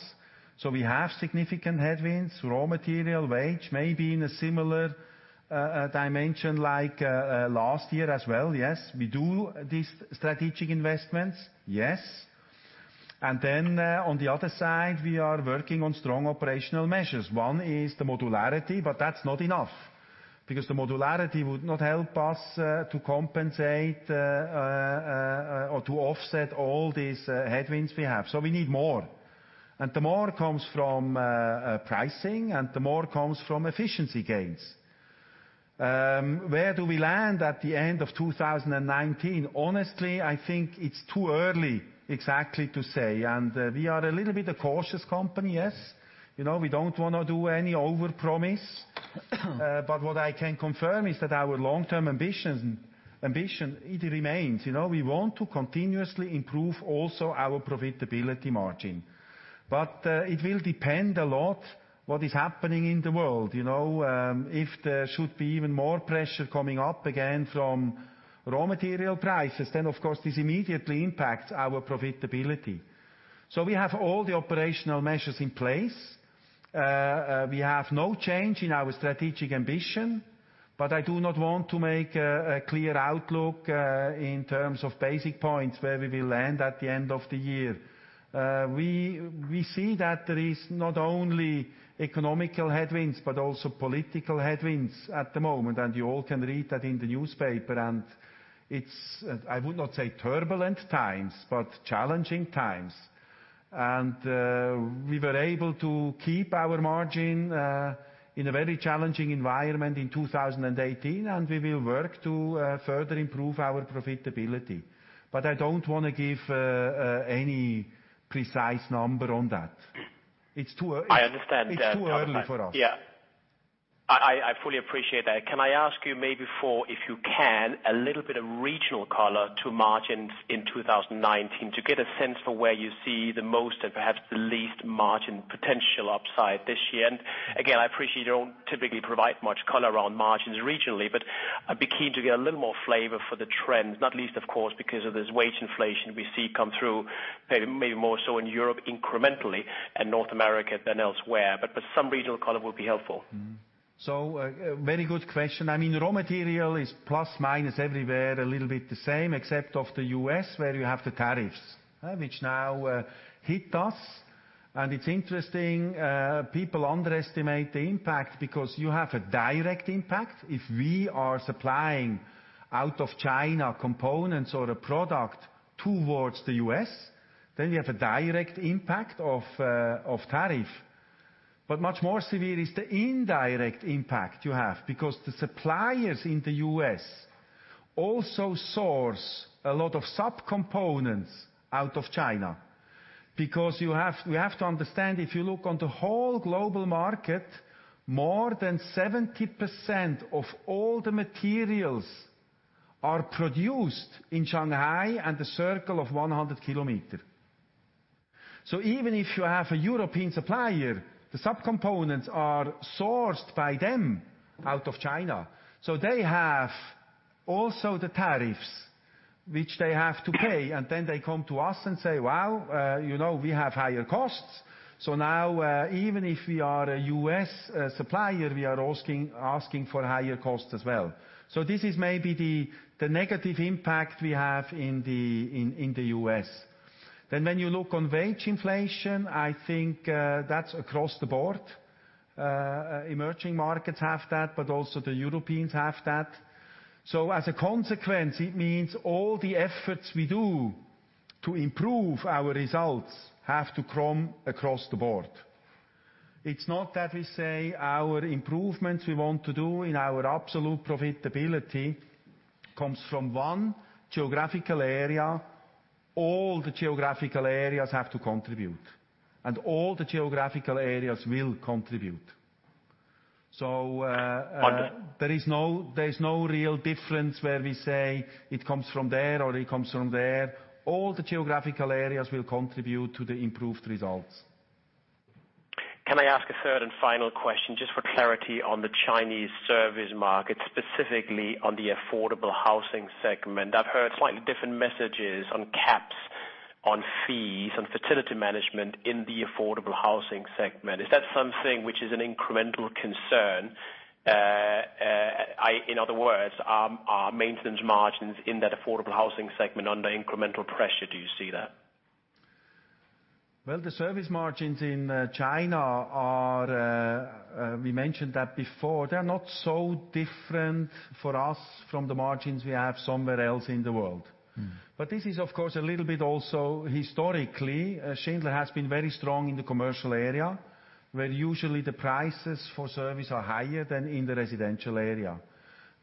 A: We have significant headwinds, raw material, wage, maybe in a similar dimension like last year as well, yes. We do these strategic investments, yes. On the other side, we are working on strong operational measures. One is the modularity, but that is not enough, because the modularity would not help us to compensate, or to offset all these headwinds we have. We need more. The more comes from pricing, and the more comes from efficiency gains. Where do we land at the end of 2019? Honestly, I think it is too early exactly to say, and we are a little bit a cautious company, yes. We do not want to do any overpromise. What I can confirm is that our long-term ambition, it remains. We want to continuously improve also our profitability margin. It will depend a lot what is happening in the world. If there should be even more pressure coming up again from raw material prices, then of course, this immediately impacts our profitability. We have all the operational measures in place. We have no change in our strategic ambition, but I do not want to make a clear outlook, in terms of basis points where we will land at the end of the year. We see that there is not only economic headwinds, but also political headwinds at the moment, and you all can read that in the newspaper. It's, I would not say turbulent times, but challenging times. We were able to keep our margin in a very challenging environment in 2018, and we will work to further improve our profitability. I don't want to give any precise number on that. It's too early.
L: I understand
A: It's too early for us.
L: Yeah. I fully appreciate that. Can I ask you maybe for, if you can, a little bit of regional color to margins in 2019 to get a sense for where you see the most or perhaps the least margin potential upside this year? Again, I appreciate you don't typically provide much color around margins regionally, but I'd be keen to get a little more flavor for the trends, not least of course, because of this wage inflation we see come through, maybe more so in Europe incrementally and North America than elsewhere. Some regional color would be helpful.
A: Very good question. Raw material is plus/minus everywhere a little bit the same, except for the U.S. where you have the tariffs, which now hit us. It's interesting, people underestimate the impact because you have a direct impact. If we are supplying out of China components or a product towards the U.S., then we have a direct impact of tariff. Much more severe is the indirect impact you have because the suppliers in the U.S. also source a lot of subcomponents out of China. We have to understand, if you look on the whole global market, more than 70% of all the materials are produced in Shanghai and a circle of 100 kilometers. Even if you have a European supplier, the subcomponents are sourced by them out of China. They have also the tariffs which they have to pay, and then they come to us and say, "Wow, we have higher costs." Now, even if we are a U.S. supplier, we are asking for higher costs as well. This is maybe the negative impact we have in the U.S. When you look on wage inflation, I think that's across the board. Emerging markets have that, but also the Europeans have that. As a consequence, it means all the efforts we do to improve our results have to come across the board. It's not that we say our improvements we want to do in our absolute profitability comes from one geographical area. All the geographical areas have to contribute, and all the geographical areas will contribute.
L: Under-
A: There is no real difference where we say it comes from there or it comes from there. All the geographical areas will contribute to the improved results.
L: Can I ask a third and final question, just for clarity on the Chinese service market, specifically on the affordable housing segment? I've heard slightly different messages on caps on fees and facility management in the affordable housing segment. Is that something which is an incremental concern? In other words, are maintenance margins in that affordable housing segment under incremental pressure? Do you see that?
A: Well, the service margins in China are, we mentioned that before, they are not so different for us from the margins we have somewhere else in the world. This is, of course, a little bit also historically, Schindler has been very strong in the commercial area, where usually the prices for service are higher than in the residential area.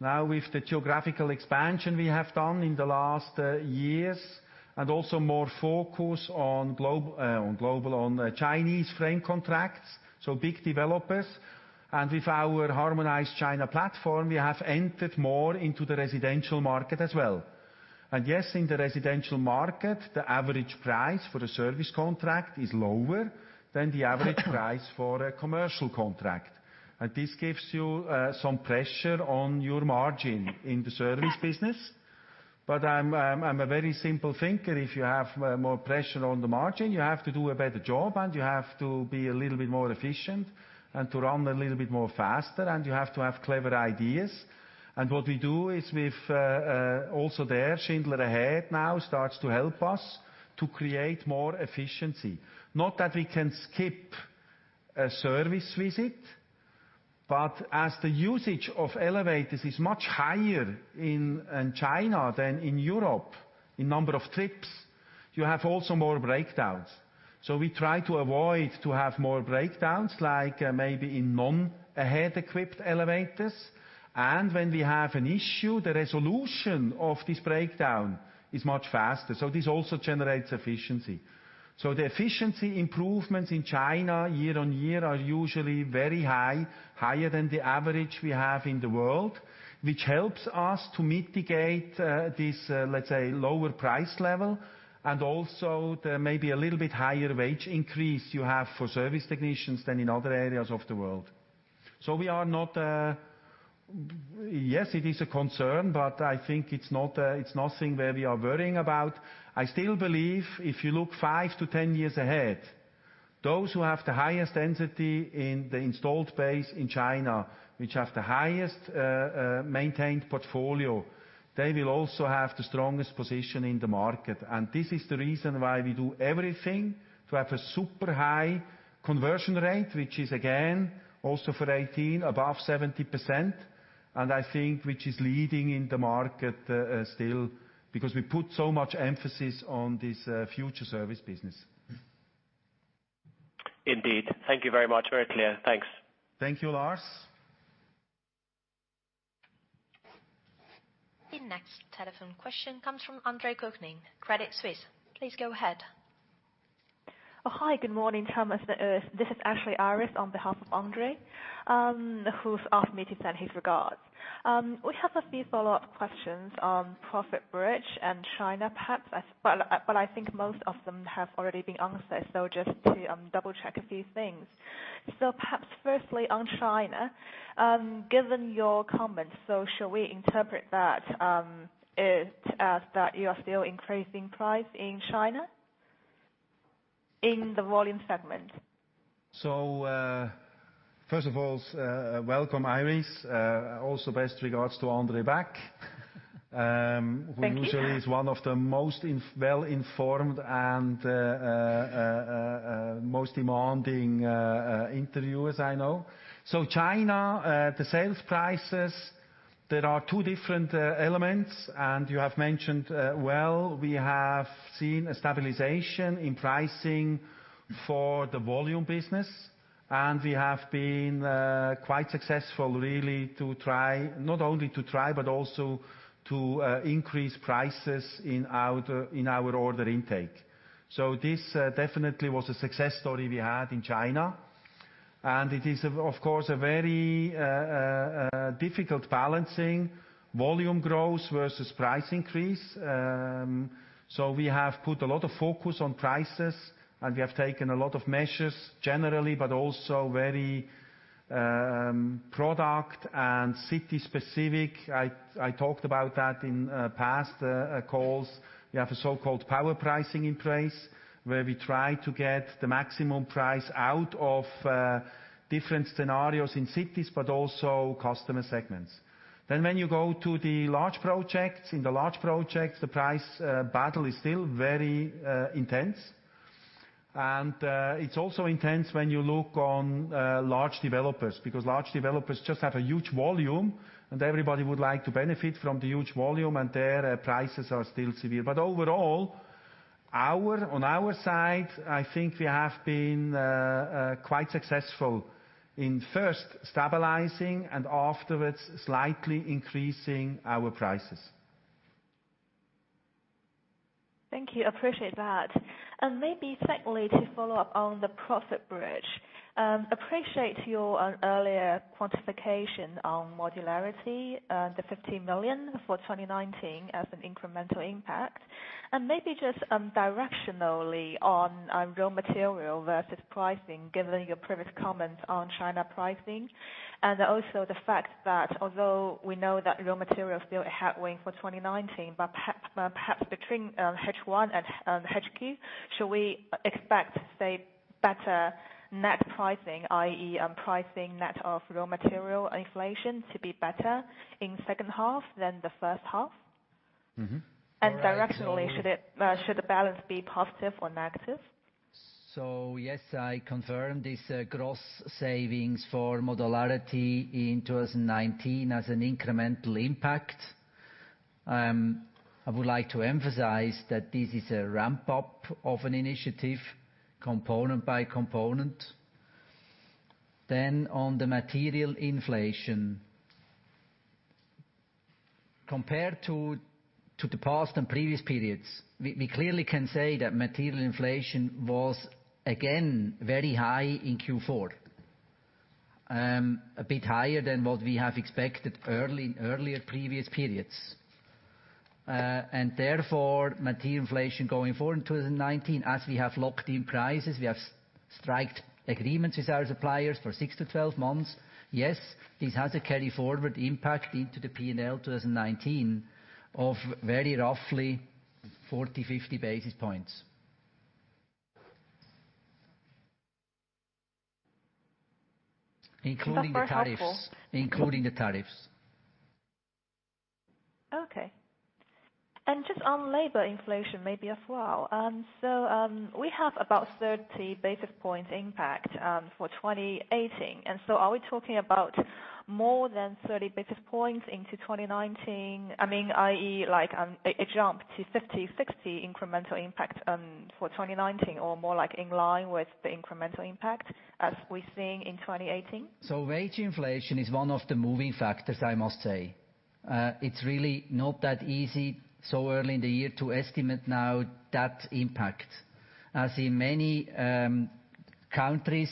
A: Now, with the geographical expansion we have done in the last years, and also more focus on Chinese frame contracts, so big developers, and with our harmonized China platform, we have entered more into the residential market as well. Yes, in the residential market, the average price for a service contract is lower than the average price for a commercial contract. This gives you some pressure on your margin in the service business. I'm a very simple thinker. If you have more pressure on the margin, you have to do a better job, and you have to be a little bit more efficient, and to run a little bit more faster, and you have to have clever ideas. What we do is with, also there, Schindler Ahead now starts to help us to create more efficiency. Not that we can skip a service visit, but as the usage of elevators is much higher in China than in Europe in number of trips, you have also more breakdowns. We try to avoid to have more breakdowns, like maybe in non-Ahead equipped elevators. When we have an issue, the resolution of this breakdown is much faster. This also generates efficiency. The efficiency improvements in China year-over-year are usually very high, higher than the average we have in the world, which helps us to mitigate this, let's say, lower price level. Also the maybe a little bit higher wage increase you have for service technicians than in other areas of the world. We are not Yes, it is a concern, but I think it's nothing that we are worrying about. I still believe if you look 5-10 years ahead, those who have the highest density in the installed base in China, which have the highest maintained portfolio, they will also have the strongest position in the market. This is the reason why we do everything to have a super high conversion rate, which is again, also for 2018 above 70%. I think which is leading in the market, still, because we put so much emphasis on this future service business.
L: Indeed. Thank you very much. Very clear. Thanks.
A: Thank you, Lars.
J: The next telephone question comes from Andrej Gognin, Credit Suisse, please go ahead.
M: Oh, hi. Good morning, Thomas and Urs. This is actually Iris on behalf of Andrej, who's asked me to send his regards. We have a few follow-up questions on profit bridge and China perhaps. I think most of them have already been answered. Just to double-check a few things. Perhaps firstly on China, given your comments, so shall we interpret that as that you are still increasing price in China in the volume segment?
A: First of all, welcome Iris, also best regards to Andrej back.
M: Thank you.
A: Who usually is one of the most well-informed and most demanding interviewers I know. China, the sales prices, there are two different elements, and you have mentioned well, we have seen a stabilization in pricing for the volume business. We have been quite successful really to try, not only to try, but also to increase prices in our order intake. This definitely was a success story we had in China, and it is of course a very difficult balancing volume growth versus price increase. We have put a lot of focus on prices, and we have taken a lot of measures generally, but also very product and city-specific. I talked about that in past calls. We have a so-called power pricing in place where we try to get the maximum price out of different scenarios in cities, but also customer segments. When you go to the large projects, in the large projects, the price battle is still very intense. It's also intense when you look on large developers, because large developers just have a huge volume, and everybody would like to benefit from the huge volume, and there prices are still severe. Overall, on our side, I think we have been quite successful in first stabilizing and afterwards slightly increasing our prices.
M: Thank you. Appreciate that. Maybe secondly, to follow up on the profit bridge. Appreciate your earlier quantification on modularity, the 50 million for 2019 as an incremental impact. Maybe just directionally on raw material versus pricing, given your previous comments on China pricing and also the fact that although we know that raw material is still a headwind for 2019, perhaps between H1 and H2, should we expect, say, better net pricing, i.e., pricing net of raw material inflation to be better in second half than the first half? Directionally, should the balance be positive or negative?
B: Yes, I confirm this gross savings for modularity in 2019 as an incremental impact. I would like to emphasize that this is a ramp-up of an initiative component by component. On the material inflation, compared to the past and previous periods, we clearly can say that material inflation was again very high in Q4. A bit higher than what we have expected earlier previous periods. Therefore, material inflation going forward in 2019, as we have locked in prices, we have striked agreements with our suppliers for 6-12 months. Yes, this has a carry forward impact into the P&L 2019 of very roughly 40, 50 basis points. Including the tariffs.
M: Okay. Just on labor inflation, maybe as well. We have about 30 basis point impact for 2018. Are we talking about more than 30 basis points into 2019? I mean, i.e., like a jump to 50, 60 incremental impact for 2019 or more like in line with the incremental impact as we're seeing in 2018?
B: Wage inflation is one of the moving factors, I must say. It's really not that easy so early in the year to estimate now that impact. As in many countries,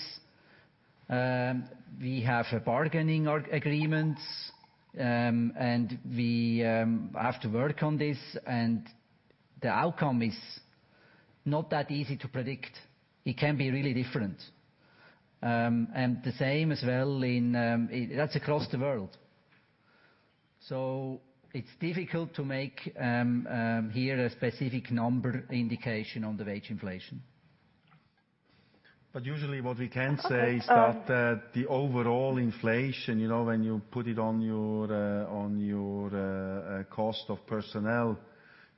B: we have a bargaining agreements, and we have to work on this, and the outcome is not that easy to predict. It can be really different. The same as well. That's across the world. It's difficult to make here a specific number indication on the wage inflation.
A: Usually what we can say is that the overall inflation, when you put it on your cost of personnel,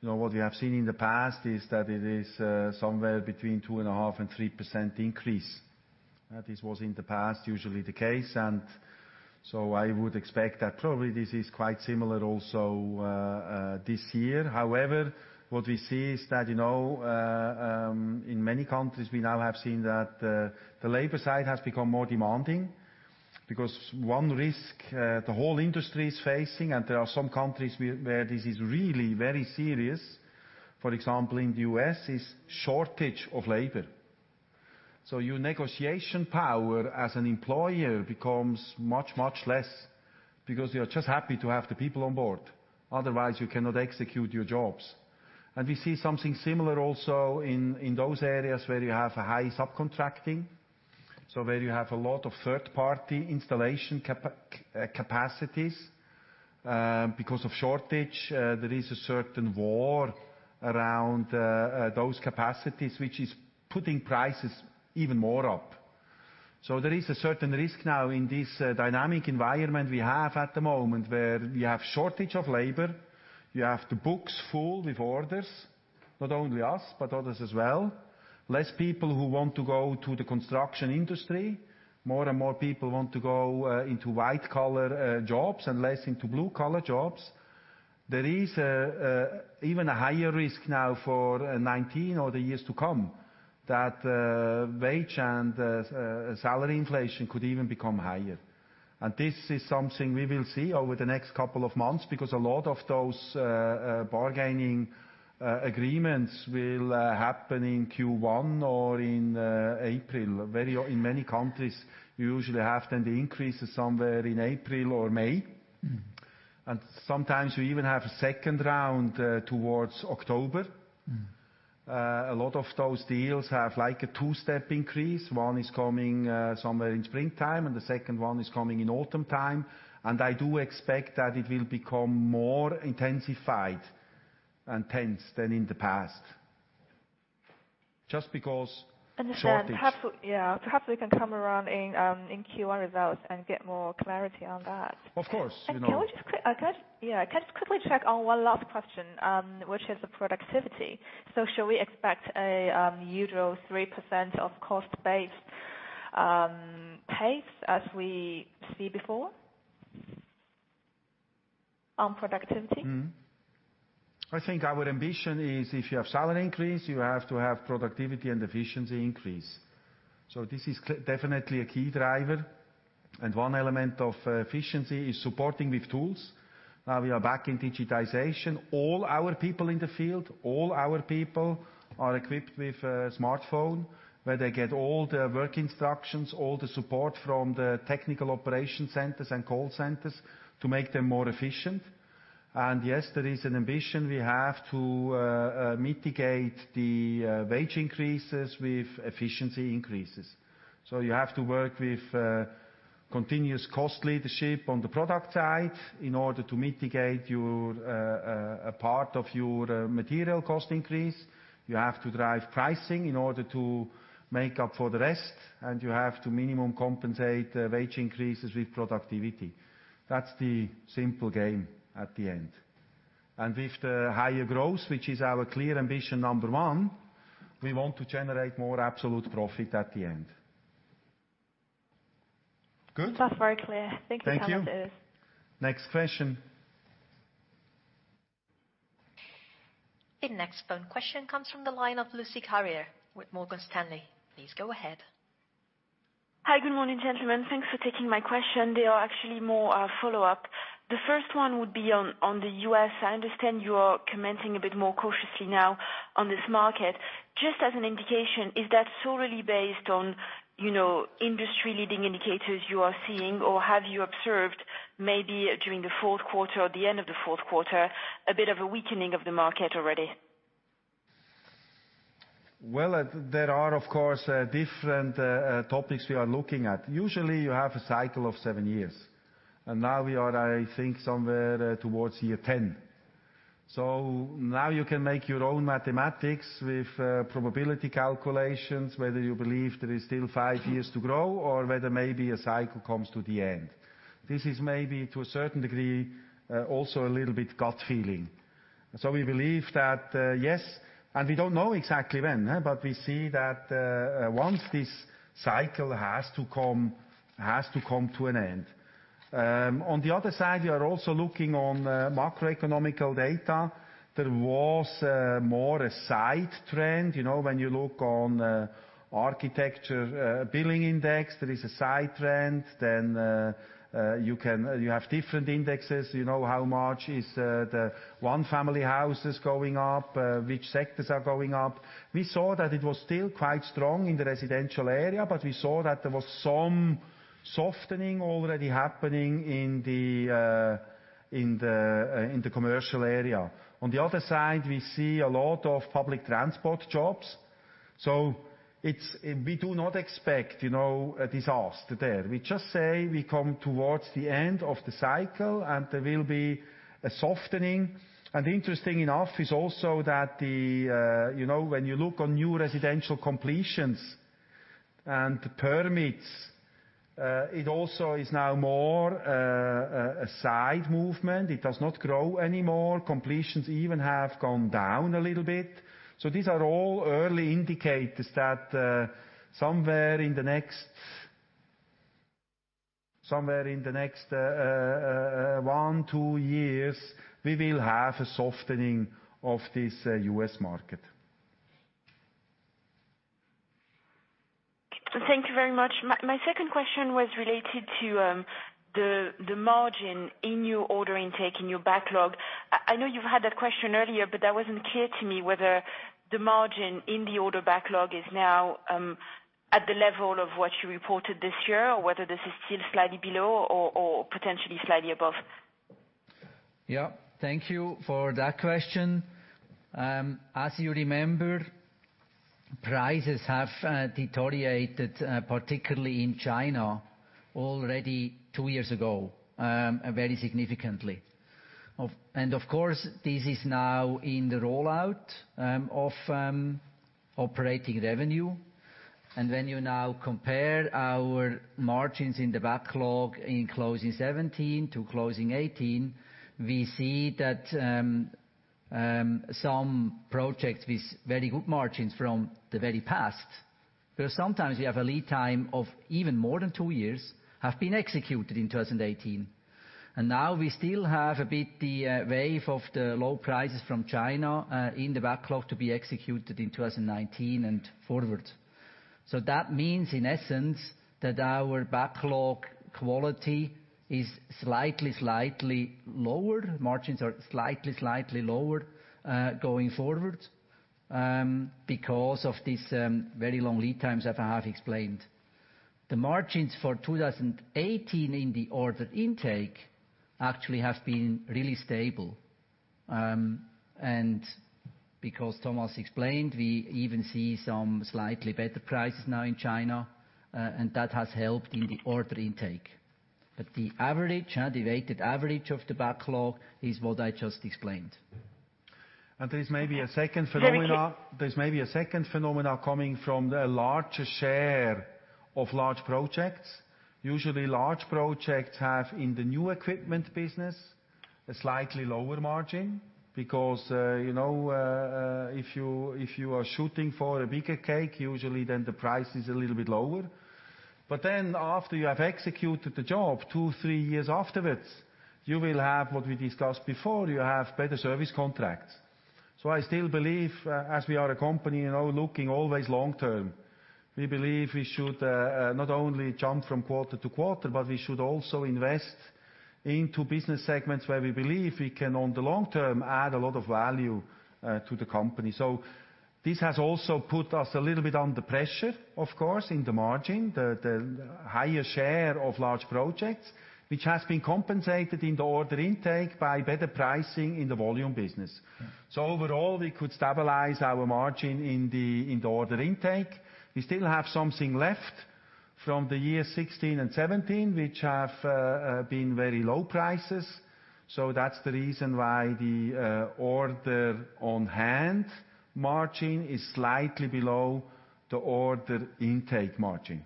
A: what we have seen in the past is that it is somewhere between two and a half and 3% increase. This was in the past usually the case. I would expect that probably this is quite similar also this year. However, what we see is that, in many countries, we now have seen that the labor side has become more demanding. Because one risk the whole industry is facing, and there are some countries where this is really very serious, for example, in the U.S., is shortage of labor. Your negotiation power as an employer becomes much, much less because you're just happy to have the people on board, otherwise you cannot execute your jobs. We see something similar also in those areas where you have a high subcontracting, so where you have a lot of third-party installation capacities. Because of shortage, there is a certain war around those capacities, which is putting prices even more up. There is a certain risk now in this dynamic environment we have at the moment where we have shortage of labor, you have the books full with orders, not only us, but others as well. Less people who want to go to the construction industry. More and more people want to go into white-collar jobs and less into blue-collar jobs. There is even a higher risk now for 2019 or the years to come that wage and salary inflation could even become higher. This is something we will see over the next couple of months because a lot of those bargaining agreements will happen in Q1 or in April. In many countries, you usually have the increases somewhere in April or May. Sometimes you even have a second round towards October. A lot of those deals have like a two-step increase. One is coming somewhere in springtime, and the second one is coming in autumn time. I do expect that it will become more intensified and tense than in the past, just because shortage.
M: Understand. Perhaps we can come around in Q1 results and get more clarity on that.
A: Of course.
M: Can I just quickly check on one last question, which is the productivity. Should we expect a usual 3% of cost base pace as we see before on productivity?
A: I think our ambition is if you have salary increase, you have to have productivity and efficiency increase. This is definitely a key driver. One element of efficiency is supporting with tools. Now we are back in digitization. All our people in the field, all our people are equipped with a smartphone where they get all the work instructions, all the support from the technical operation centers and call centers to make them more efficient. Yes, there is an ambition we have to mitigate the wage increases with efficiency increases. You have to work with continuous cost leadership on the product side in order to mitigate a part of your material cost increase. You have to drive pricing in order to make up for the rest, and you have to minimum compensate wage increases with productivity. That's the simple game at the end. With the higher growth, which is our clear ambition number one, we want to generate more absolute profit at the end. Good?
M: That's very clear. Thank you, Thomas.
A: Thank you. Next question.
J: The next phone question comes from the line of Lucie Carrier with Morgan Stanley. Please go ahead.
N: Hi. Good morning, gentlemen. Thanks for taking my question. They are actually more a follow-up. The first one would be on the U.S. I understand you are commenting a bit more cautiously now on this market. Just as an indication, is that solely based on industry leading indicators you are seeing, or have you observed maybe during the fourth quarter or the end of the fourth quarter, a bit of a weakening of the market already?
A: Well, there are, of course, different topics we are looking at. Usually, you have a cycle of seven years, and now we are, I think, somewhere towards year 10. Now you can make your own mathematics with probability calculations, whether you believe there is still five years to grow or whether maybe a cycle comes to the end. This is maybe to a certain degree, also a little bit gut feeling. We believe that, yes, and we don't know exactly when, but we see that once this cycle has to come to an end. On the other side, we are also looking on macroeconomical data. There was more a side trend. When you look on Architecture Billings Index, there is a side trend. You have different indexes. You know how much is the one family houses going up, which sectors are going up. We saw that it was still quite strong in the residential area, but we saw that there was some softening already happening in the commercial area. On the other side, we see a lot of public transport jobs. We do not expect a disaster there. We just say we come towards the end of the cycle, and there will be a softening. Interesting enough is also that when you look on new residential completions and permits, it also is now more a side movement. It does not grow anymore. Completions even have gone down a little bit. These are all early indicators that somewhere in the next one, two years, we will have a softening of this U.S. market.
N: Thank you very much. My second question was related to the margin in your order intake and your backlog. I know you've had that question earlier, that wasn't clear to me whether the margin in the order backlog is now at the level of what you reported this year, or whether this is still slightly below or potentially slightly above.
B: Yeah. Thank you for that question. As you remember, prices have deteriorated, particularly in China, already two years ago, very significantly. Of course, this is now in the rollout of operating revenue. When you now compare our margins in the backlog in closing 2017 to closing 2018, we see that some projects with very good margins from the very past, where sometimes we have a lead time of even more than two years, have been executed in 2018. Now we still have a bit the wave of the low prices from China in the backlog to be executed in 2019 and forward. That means, in essence, that our backlog quality is slightly lower. Margins are slightly lower going forward because of these very long lead times that I have explained. The margins for 2018 in the ordered intake actually have been really stable. Because Thomas explained, we even see some slightly better prices now in China, and that has helped in the order intake. The weighted average of the backlog is what I just explained.
A: There is maybe a second phenomena-
N: Very quick.
A: There's maybe a second phenomena coming from the larger share of large projects. Usually, large projects have, in the new equipment business, a slightly lower margin because if you are shooting for a bigger cake, usually then the price is a little bit lower. After you have executed the job, two, three years afterwards, you will have what we discussed before. You have better service contracts. I still believe, as we are a company looking always long-term, we believe we should not only jump from quarter to quarter, but we should also invest into business segments where we believe we can, in the long term, add a lot of value to the company. This has also put us a little bit under pressure, of course, in the margin, the higher share of large projects, which has been compensated in the order intake by better pricing in the volume business. Overall, we could stabilize our margin in the order intake. We still have something left from the year 2016 and 2017, which have been very low prices. That's the reason why the order on hand margin is slightly below the order intake margin.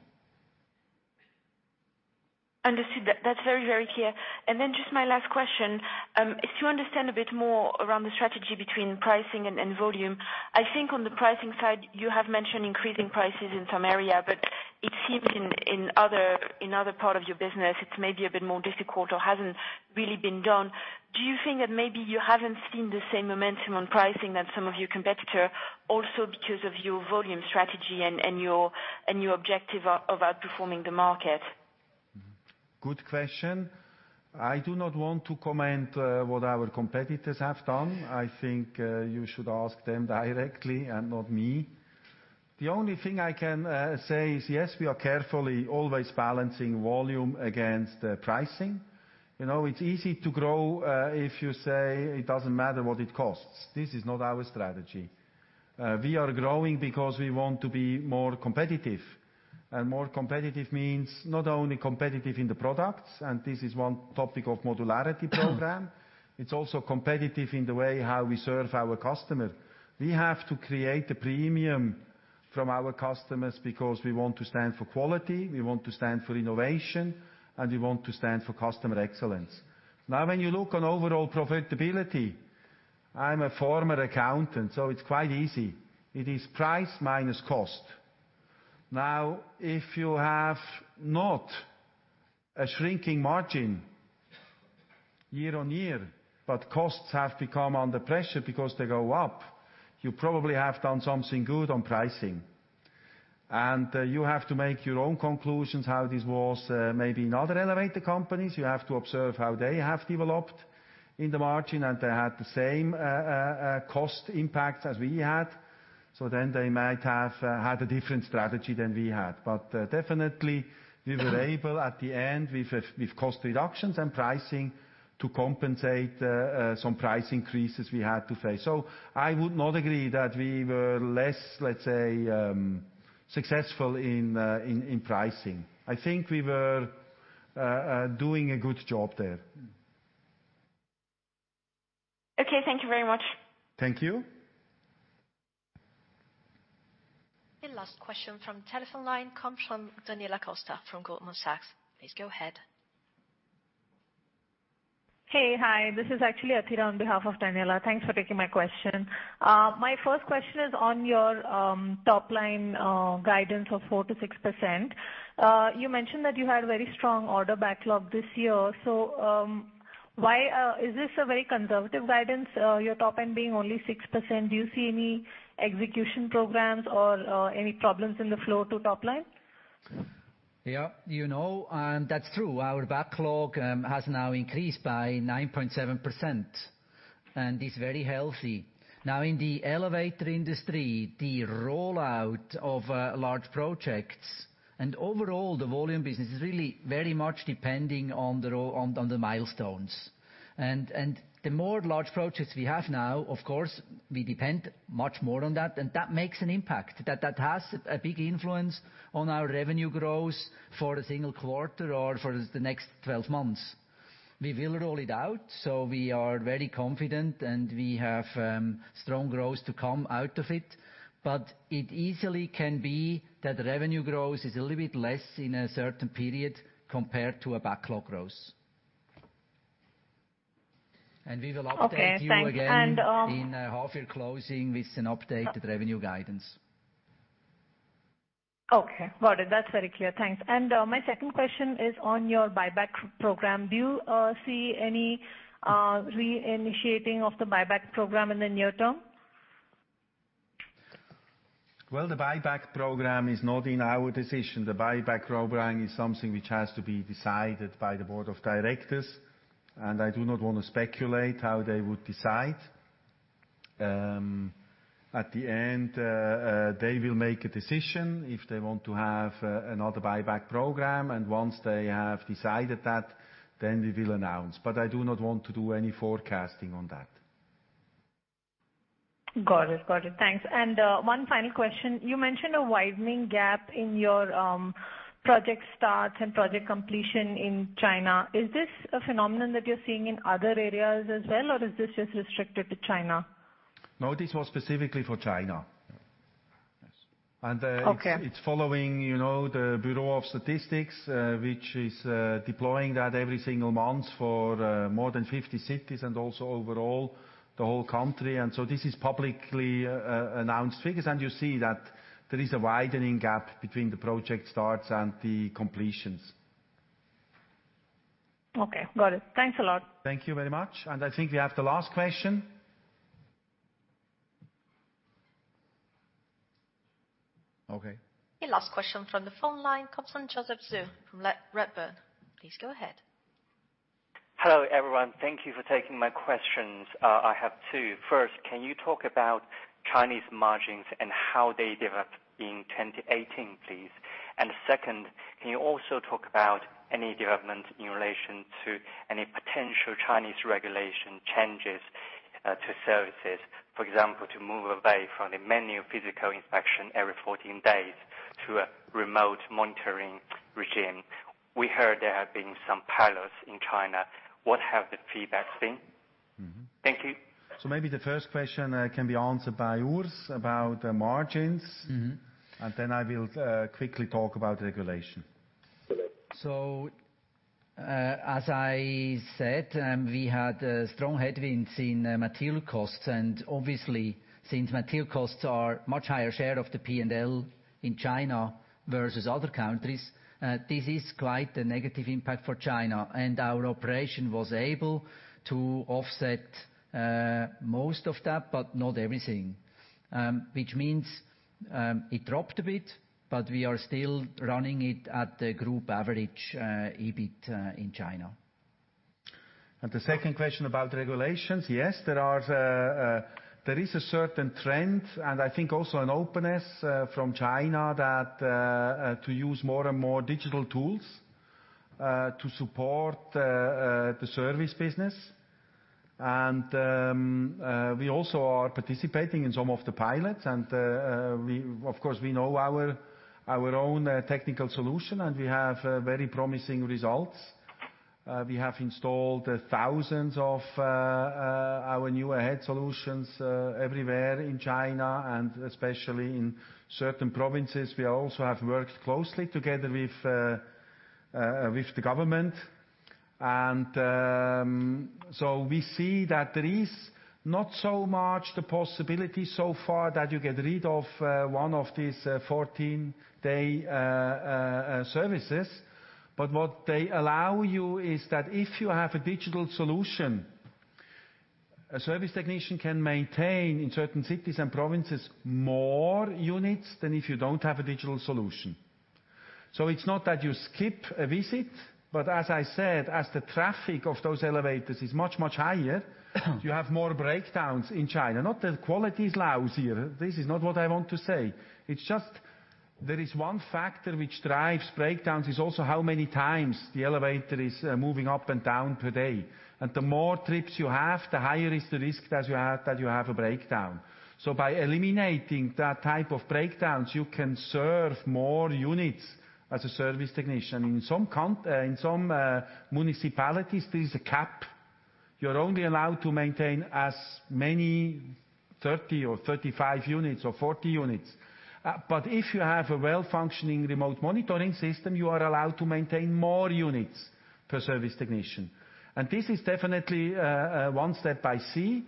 N: Understood. That's very, very clear. Just my last question, if you understand a bit more around the strategy between pricing and volume. I think on the pricing side, you have mentioned increasing prices in some area, but it seems in other part of your business, it's maybe a bit more difficult or hasn't really been done. Do you think that maybe you haven't seen the same momentum on pricing that some of your competitor, also because of your volume strategy and your objective of outperforming the market?
A: Good question. I do not want to comment what our competitors have done. I think you should ask them directly and not me. The only thing I can say is, yes, we are carefully always balancing volume against pricing. It's easy to grow if you say it doesn't matter what it costs. This is not our strategy. We are growing because we want to be more competitive. More competitive means not only competitive in the products, and this is one topic of modularity program, it's also competitive in the way how we serve our customer. We have to create a premium from our customers because we want to stand for quality, we want to stand for innovation, and we want to stand for customer excellence. When you look on overall profitability, I'm a former accountant, so it's quite easy. It is price minus cost. If you have not a shrinking margin year-on-year, but costs have become under pressure because they go up, you probably have done something good on pricing. You have to make your own conclusions how this was maybe in other elevator companies. You have to observe how they have developed in the margin, and they had the same cost impacts as we had. They might have had a different strategy than we had. Definitely, we were able, at the end, with cost reductions and pricing, to compensate some price increases we had to face. I would not agree that we were less, let's say, successful in pricing. I think we were doing a good job there.
N: Okay. Thank you very much.
A: Thank you.
J: The last question from telephone line comes from Daniela Costa from Goldman Sachs. Please go ahead.
O: Hey, hi. This is actually Athira on behalf of Daniela. Thanks for taking my question. My first question is on your top line guidance of 4%-6%. You mentioned that you had very strong order backlog this year. Why is this a very conservative guidance, your top end being only 6%? Do you see any execution programs or any problems in the flow to top line?
B: Yeah. That's true. Our backlog has now increased by 9.7% and is very healthy. In the elevator industry, the rollout of large projects and overall the volume business is really very much depending on the milestones. The more large projects we have now, of course, we depend much more on that, and that makes an impact. That has a big influence on our revenue growth for a single quarter or for the next 12 months. We will roll it out, we are very confident and we have strong growth to come out of it. It easily can be that revenue growth is a little bit less in a certain period compared to a backlog growth. We will update-
O: Okay. Thanks. -
B: you again in half-year closing with an updated revenue guidance.
O: Okay, got it. That's very clear. Thanks. My second question is on your buyback program. Do you see any reinitiating of the buyback program in the near term?
A: Well, the buyback program is not in our decision. The buyback program is something which has to be decided by the board of directors. I do not want to speculate how they would decide. At the end, they will make a decision if they want to have another buyback program. Once they have decided that, then we will announce. I do not want to do any forecasting on that.
O: Got it. Thanks. One final question. You mentioned a widening gap in your project starts and project completion in China. Is this a phenomenon that you're seeing in other areas as well, or is this just restricted to China?
A: No, this was specifically for China.
O: Okay.
A: It's following the Bureau of Statistics, which is deploying that every single month for more than 50 cities and also overall the whole country. This is publicly announced figures, and you see that there is a widening gap between the project starts and the completions.
O: Okay, got it. Thanks a lot.
A: Thank you very much. I think we have the last question. Okay.
J: The last question from the phone line comes from Joseph Zhou from Redburn. Please go ahead.
P: Hello, everyone. Thank you for taking my questions. I have two. First, can you talk about Chinese margins and how they developed in 2018, please? Second, can you also talk about any development in relation to any potential Chinese regulation changes to services? For example, to move away from the manual physical inspection every 14 days to a remote monitoring regime. We heard there have been some pilots in China. What have the feedbacks been? Thank you.
A: Maybe the first question can be answered by Urs about margins. I will quickly talk about regulation.
B: As I said, we had strong headwinds in material costs and obviously, since material costs are much higher share of the P&L in China versus other countries, this is quite a negative impact for China and our operation was able to offset most of that, but not everything. It dropped a bit, but we are still running it at the group average EBIT in China.
A: The second question about regulations, yes, there is a certain trend, and I think also an openness from China to use more and more digital tools to support the service business. We also are participating in some of the pilots and of course, we know our own technical solution, and we have very promising results. We have installed thousands of our new Ahead solutions everywhere in China and especially in certain provinces. We also have worked closely together with the government. We see that there is not so much the possibility so far that you get rid of one of these 14-day services. What they allow you is that if you have a digital solution, a service technician can maintain, in certain cities and provinces, more units than if you don't have a digital solution. It's not that you skip a visit, as I said, as the traffic of those elevators is much, much higher, you have more breakdowns in China. Not that quality is lousy here. This is not what I want to say. It's just there is one factor which drives breakdowns, is also how many times the elevator is moving up and down per day. The more trips you have, the higher is the risk that you have a breakdown. By eliminating that type of breakdowns, you can serve more units as a service technician. In some municipalities, there's a cap. You're only allowed to maintain as many, 30 or 35 units or 40 units. If you have a well-functioning RemoteMonitoring system, you are allowed to maintain more units per service technician. This is definitely one step I see.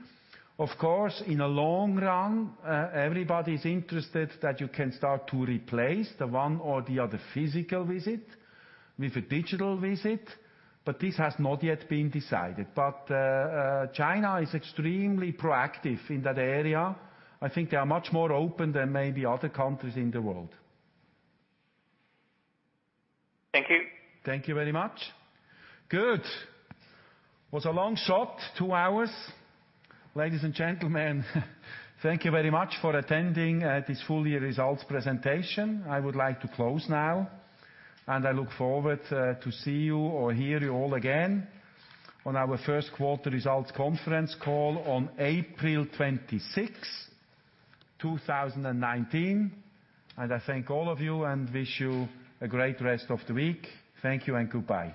A: Of course, in a long run, everybody's interested that you can start to replace the one or the other physical visit with a digital visit, this has not yet been decided. China is extremely proactive in that area. I think they are much more open than maybe other countries in the world.
P: Thank you.
A: Thank you very much. Good. Was a long shot, two hours. Ladies and gentlemen, thank you very much for attending this full year results presentation. I would like to close now, and I look forward to see you or hear you all again on our first quarter results conference call on April 26th, 2019. I thank all of you and wish you a great rest of the week. Thank you and goodbye.